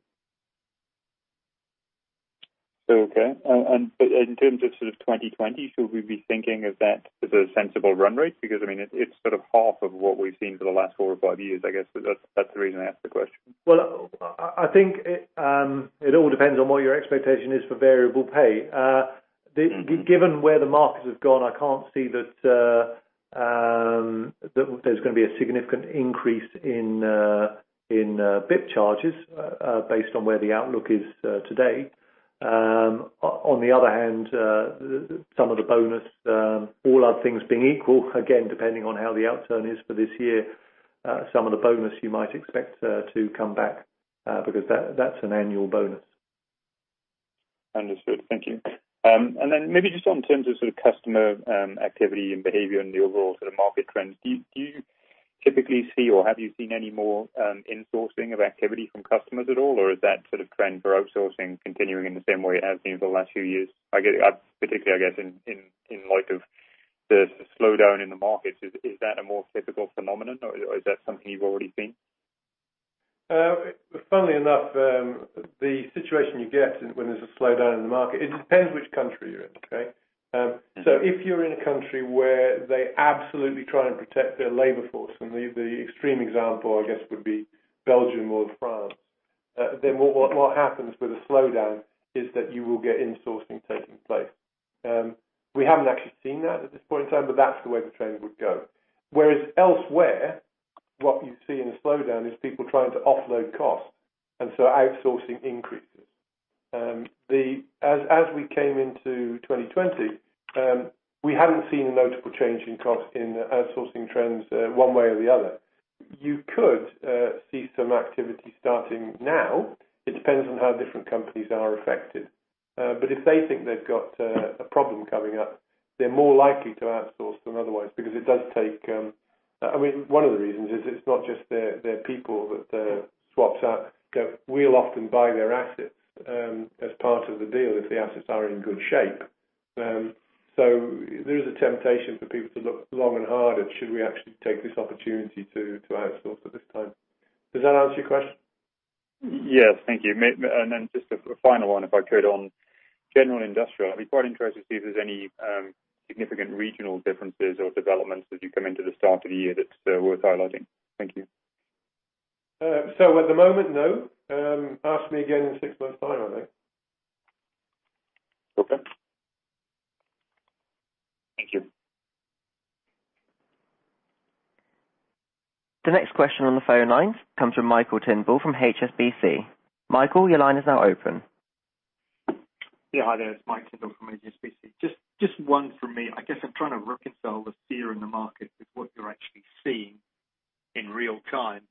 Okay. But in terms of sort of 2020, should we be thinking of that as a sensible run rate? Because, I mean, it's sort of half of what we've seen for the last four or five years, I guess. That's the reason I asked the question. Well, I think it all depends on what your expectation is for variable pay. Given where the markets have gone, I can't see that there's going to be a significant increase in HIP charges, based on where the outlook is today. On the other hand, some of the bonus, all other things being equal, again, depending on how the outturn is for this year, some of the bonus you might expect to come back, because that's an annual bonus. Understood. Thank you. And then maybe just on terms of sort of customer activity and behavior and the overall sort of market trends, do you typically see or have you seen any more insourcing of activity from customers at all? Or is that sort of trend for outsourcing continuing in the same way it has been for the last few years? I guess particularly, in light of the slowdown in the markets, is that a more typical phenomenon? Or is that something you've already seen? Funnily enough, the situation you get when there's a slowdown in the market, it depends which country you're in. Okay? So if you're in a country where they absolutely try and protect their labor force and the extreme example, I guess, would be Belgium or France, then what happens with a slowdown is that you will get insourcing taking place. We haven't actually seen that at this point in time, but that's the way the trend would go. Whereas elsewhere, what you see in a slowdown is people trying to offload costs. And so outsourcing increases. As we came into 2020, we hadn't seen a notable change in the outsourcing trends, one way or the other. You could see some activity starting now. It depends on how different companies are affected. But if they think they've got a problem coming up, they're more likely to outsource than otherwise because it does take. I mean, one of the reasons is it's not just their, their people that swaps out. You know, we'll often buy their assets as part of the deal if the assets are in good shape. So there is a temptation for people to look long and hard at, "Should we actually take this opportunity to, to outsource at this time?" Does that answer your question? Yes. Thank you. May and then just a final one, if I could, on general industrial. I'd be quite interested to see if there's any significant regional differences or developments as you come into the start of the year that's worth highlighting. Thank you. At the moment, no. Ask me again in six months' time, I think. Okay. Thank you. The next question on the phone lines comes from Michael Tyndall from HSBC. Michael, your line is now open. Yeah. Hi, there. It's Mike Tyndall from HSBC. Just, just one from me. I guess I'm trying to reconcile the fear in the market with what you're actually seeing in real time.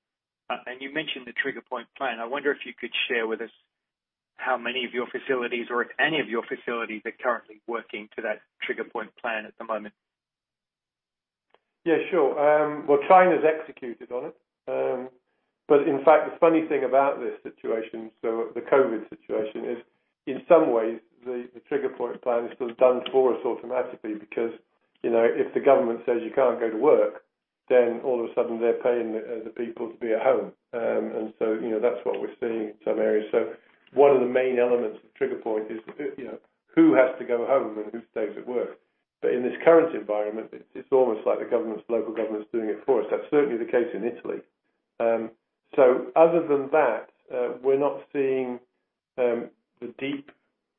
You mentioned the trigger point plan. I wonder if you could share with us how many of your facilities or if any of your facilities are currently working to that trigger point plan at the moment. Yeah. Sure. Well, China's executed on it. But in fact, the funny thing about this situation, so the COVID situation, is in some ways, the trigger point plan is sort of done for us automatically because, you know, if the government says you can't go to work, then all of a sudden, they're paying the people to be at home. And so, you know, that's what we're seeing in some areas. So one of the main elements of trigger point is, you know, who has to go home and who stays at work. But in this current environment, it's almost like the government's local government's doing it for us. That's certainly the case in Italy. So other than that, we're not seeing the deep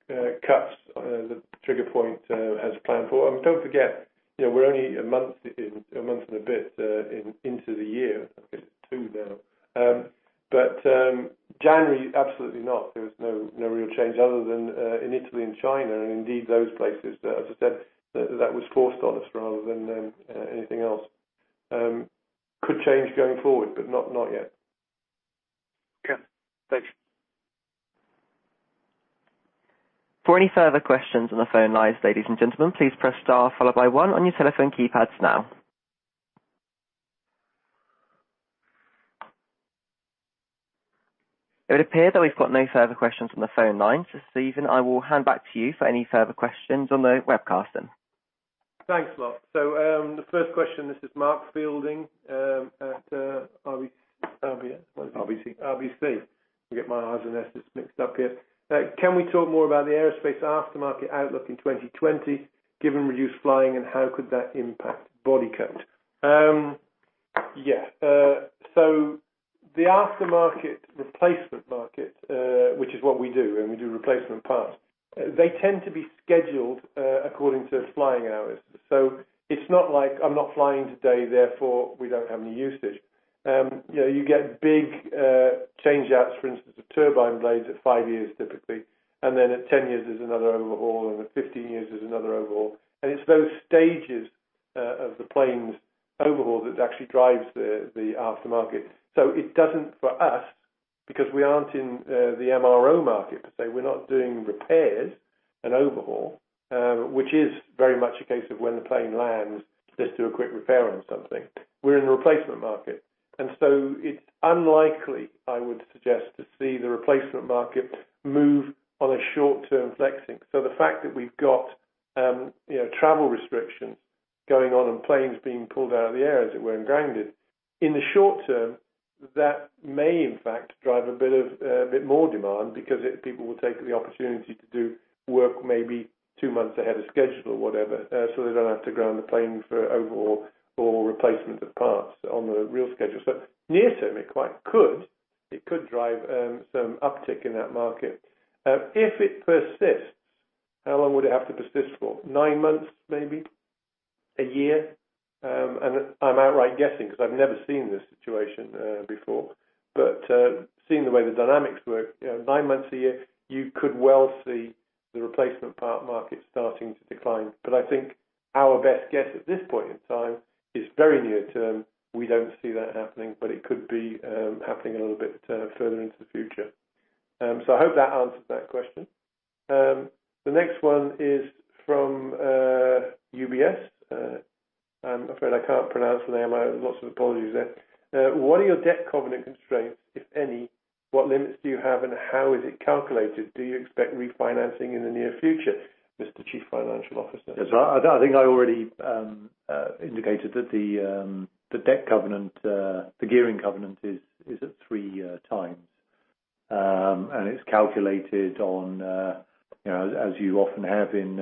cuts that trigger point has planned for. Don't forget, you know, we're only a month in a month and a bit into the year. I guess it's two now. But January, absolutely not. There was no real change other than in Italy and China and indeed those places. As I said, that was forced on us rather than anything else. Could change going forward, but not yet. Okay. Thanks. For any further questions on the phone lines, ladies and gentlemen, please press star followed by one on your telephone keypads now. It would appear that we've got no further questions on the phone lines. Stephen, I will hand back to you for any further questions on the webcast then. Thanks, Mark. So, the first question, this is Mark Fielding at RBC. RBC. RBC. I get my R's and S's mixed up here. Can we talk more about the aerospace aftermarket outlook in 2020 given reduced flying, and how could that impact Bodycote? Yeah. So the aftermarket replacement market, which is what we do, and we do replacement parts, they tend to be scheduled, according to flying hours. So it's not like, "I'm not flying today. Therefore, we don't have any usage." You know, you get big changeouts, for instance, of turbine blades at 5 years typically. And then at 10 years, there's another overhaul. And at 15 years, there's another overhaul. And it's those stages of the plane's overhaul that actually drives the aftermarket. So it doesn't for us because we aren't in the MRO market per se. We're not doing repairs and overhaul, which is very much a case of when the plane lands, just do a quick repair on something. We're in the replacement market. And so it's unlikely, I would suggest, to see the replacement market move on a short-term flexing. So the fact that we've got, you know, travel restrictions going on and planes being pulled out of the air as it were and grounded, in the short term, that may, in fact, drive a bit of, a bit more demand because people will take the opportunity to do work maybe two months ahead of schedule or whatever, so they don't have to ground the plane for overhaul or replacement of parts on the real schedule. So near-term, it quite could. It could drive some uptick in that market. If it persists, how long would it have to persist for? Nine months, maybe? A year? And I'm outright guessing because I've never seen this situation before. But seeing the way the dynamics work, you know, nine months a year, you could well see the replacement part market starting to decline. But I think our best guess at this point in time is very near-term. We don't see that happening. But it could be happening a little bit further into the future. So I hope that answers that question. The next one is from UBS. I'm afraid I can't pronounce the name. I have lots of apologies there. What are your debt covenant constraints, if any? What limits do you have, and how is it calculated? Do you expect refinancing in the near future, Mr. Chief Financial Officer? Yes. I think I already indicated that the debt covenant, the gearing covenant is at 3 times. And it's calculated on, you know, as you often have in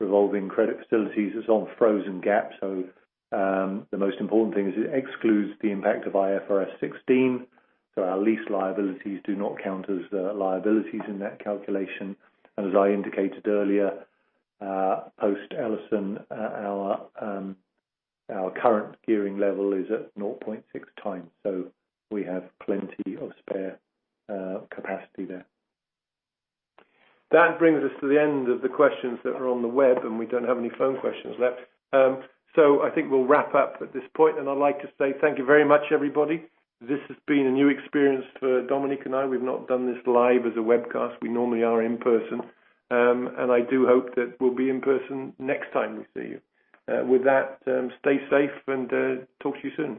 revolving credit facilities, it's on frozen GAAP. So, the most important thing is it excludes the impact of IFRS 16. So our lease liabilities do not count as liabilities in that calculation. And as I indicated earlier, post-Ellison, our current gearing level is at 0.6 times. So we have plenty of spare capacity there. That brings us to the end of the questions that are on the web. And we don't have any phone questions left. So I think we'll wrap up at this point. And I'd like to say thank you very much, everybody. This has been a new experience for Dominique and I. We've not done this live as a webcast. We normally are in person. And I do hope that we'll be in person next time we see you. With that, stay safe, and talk to you soon.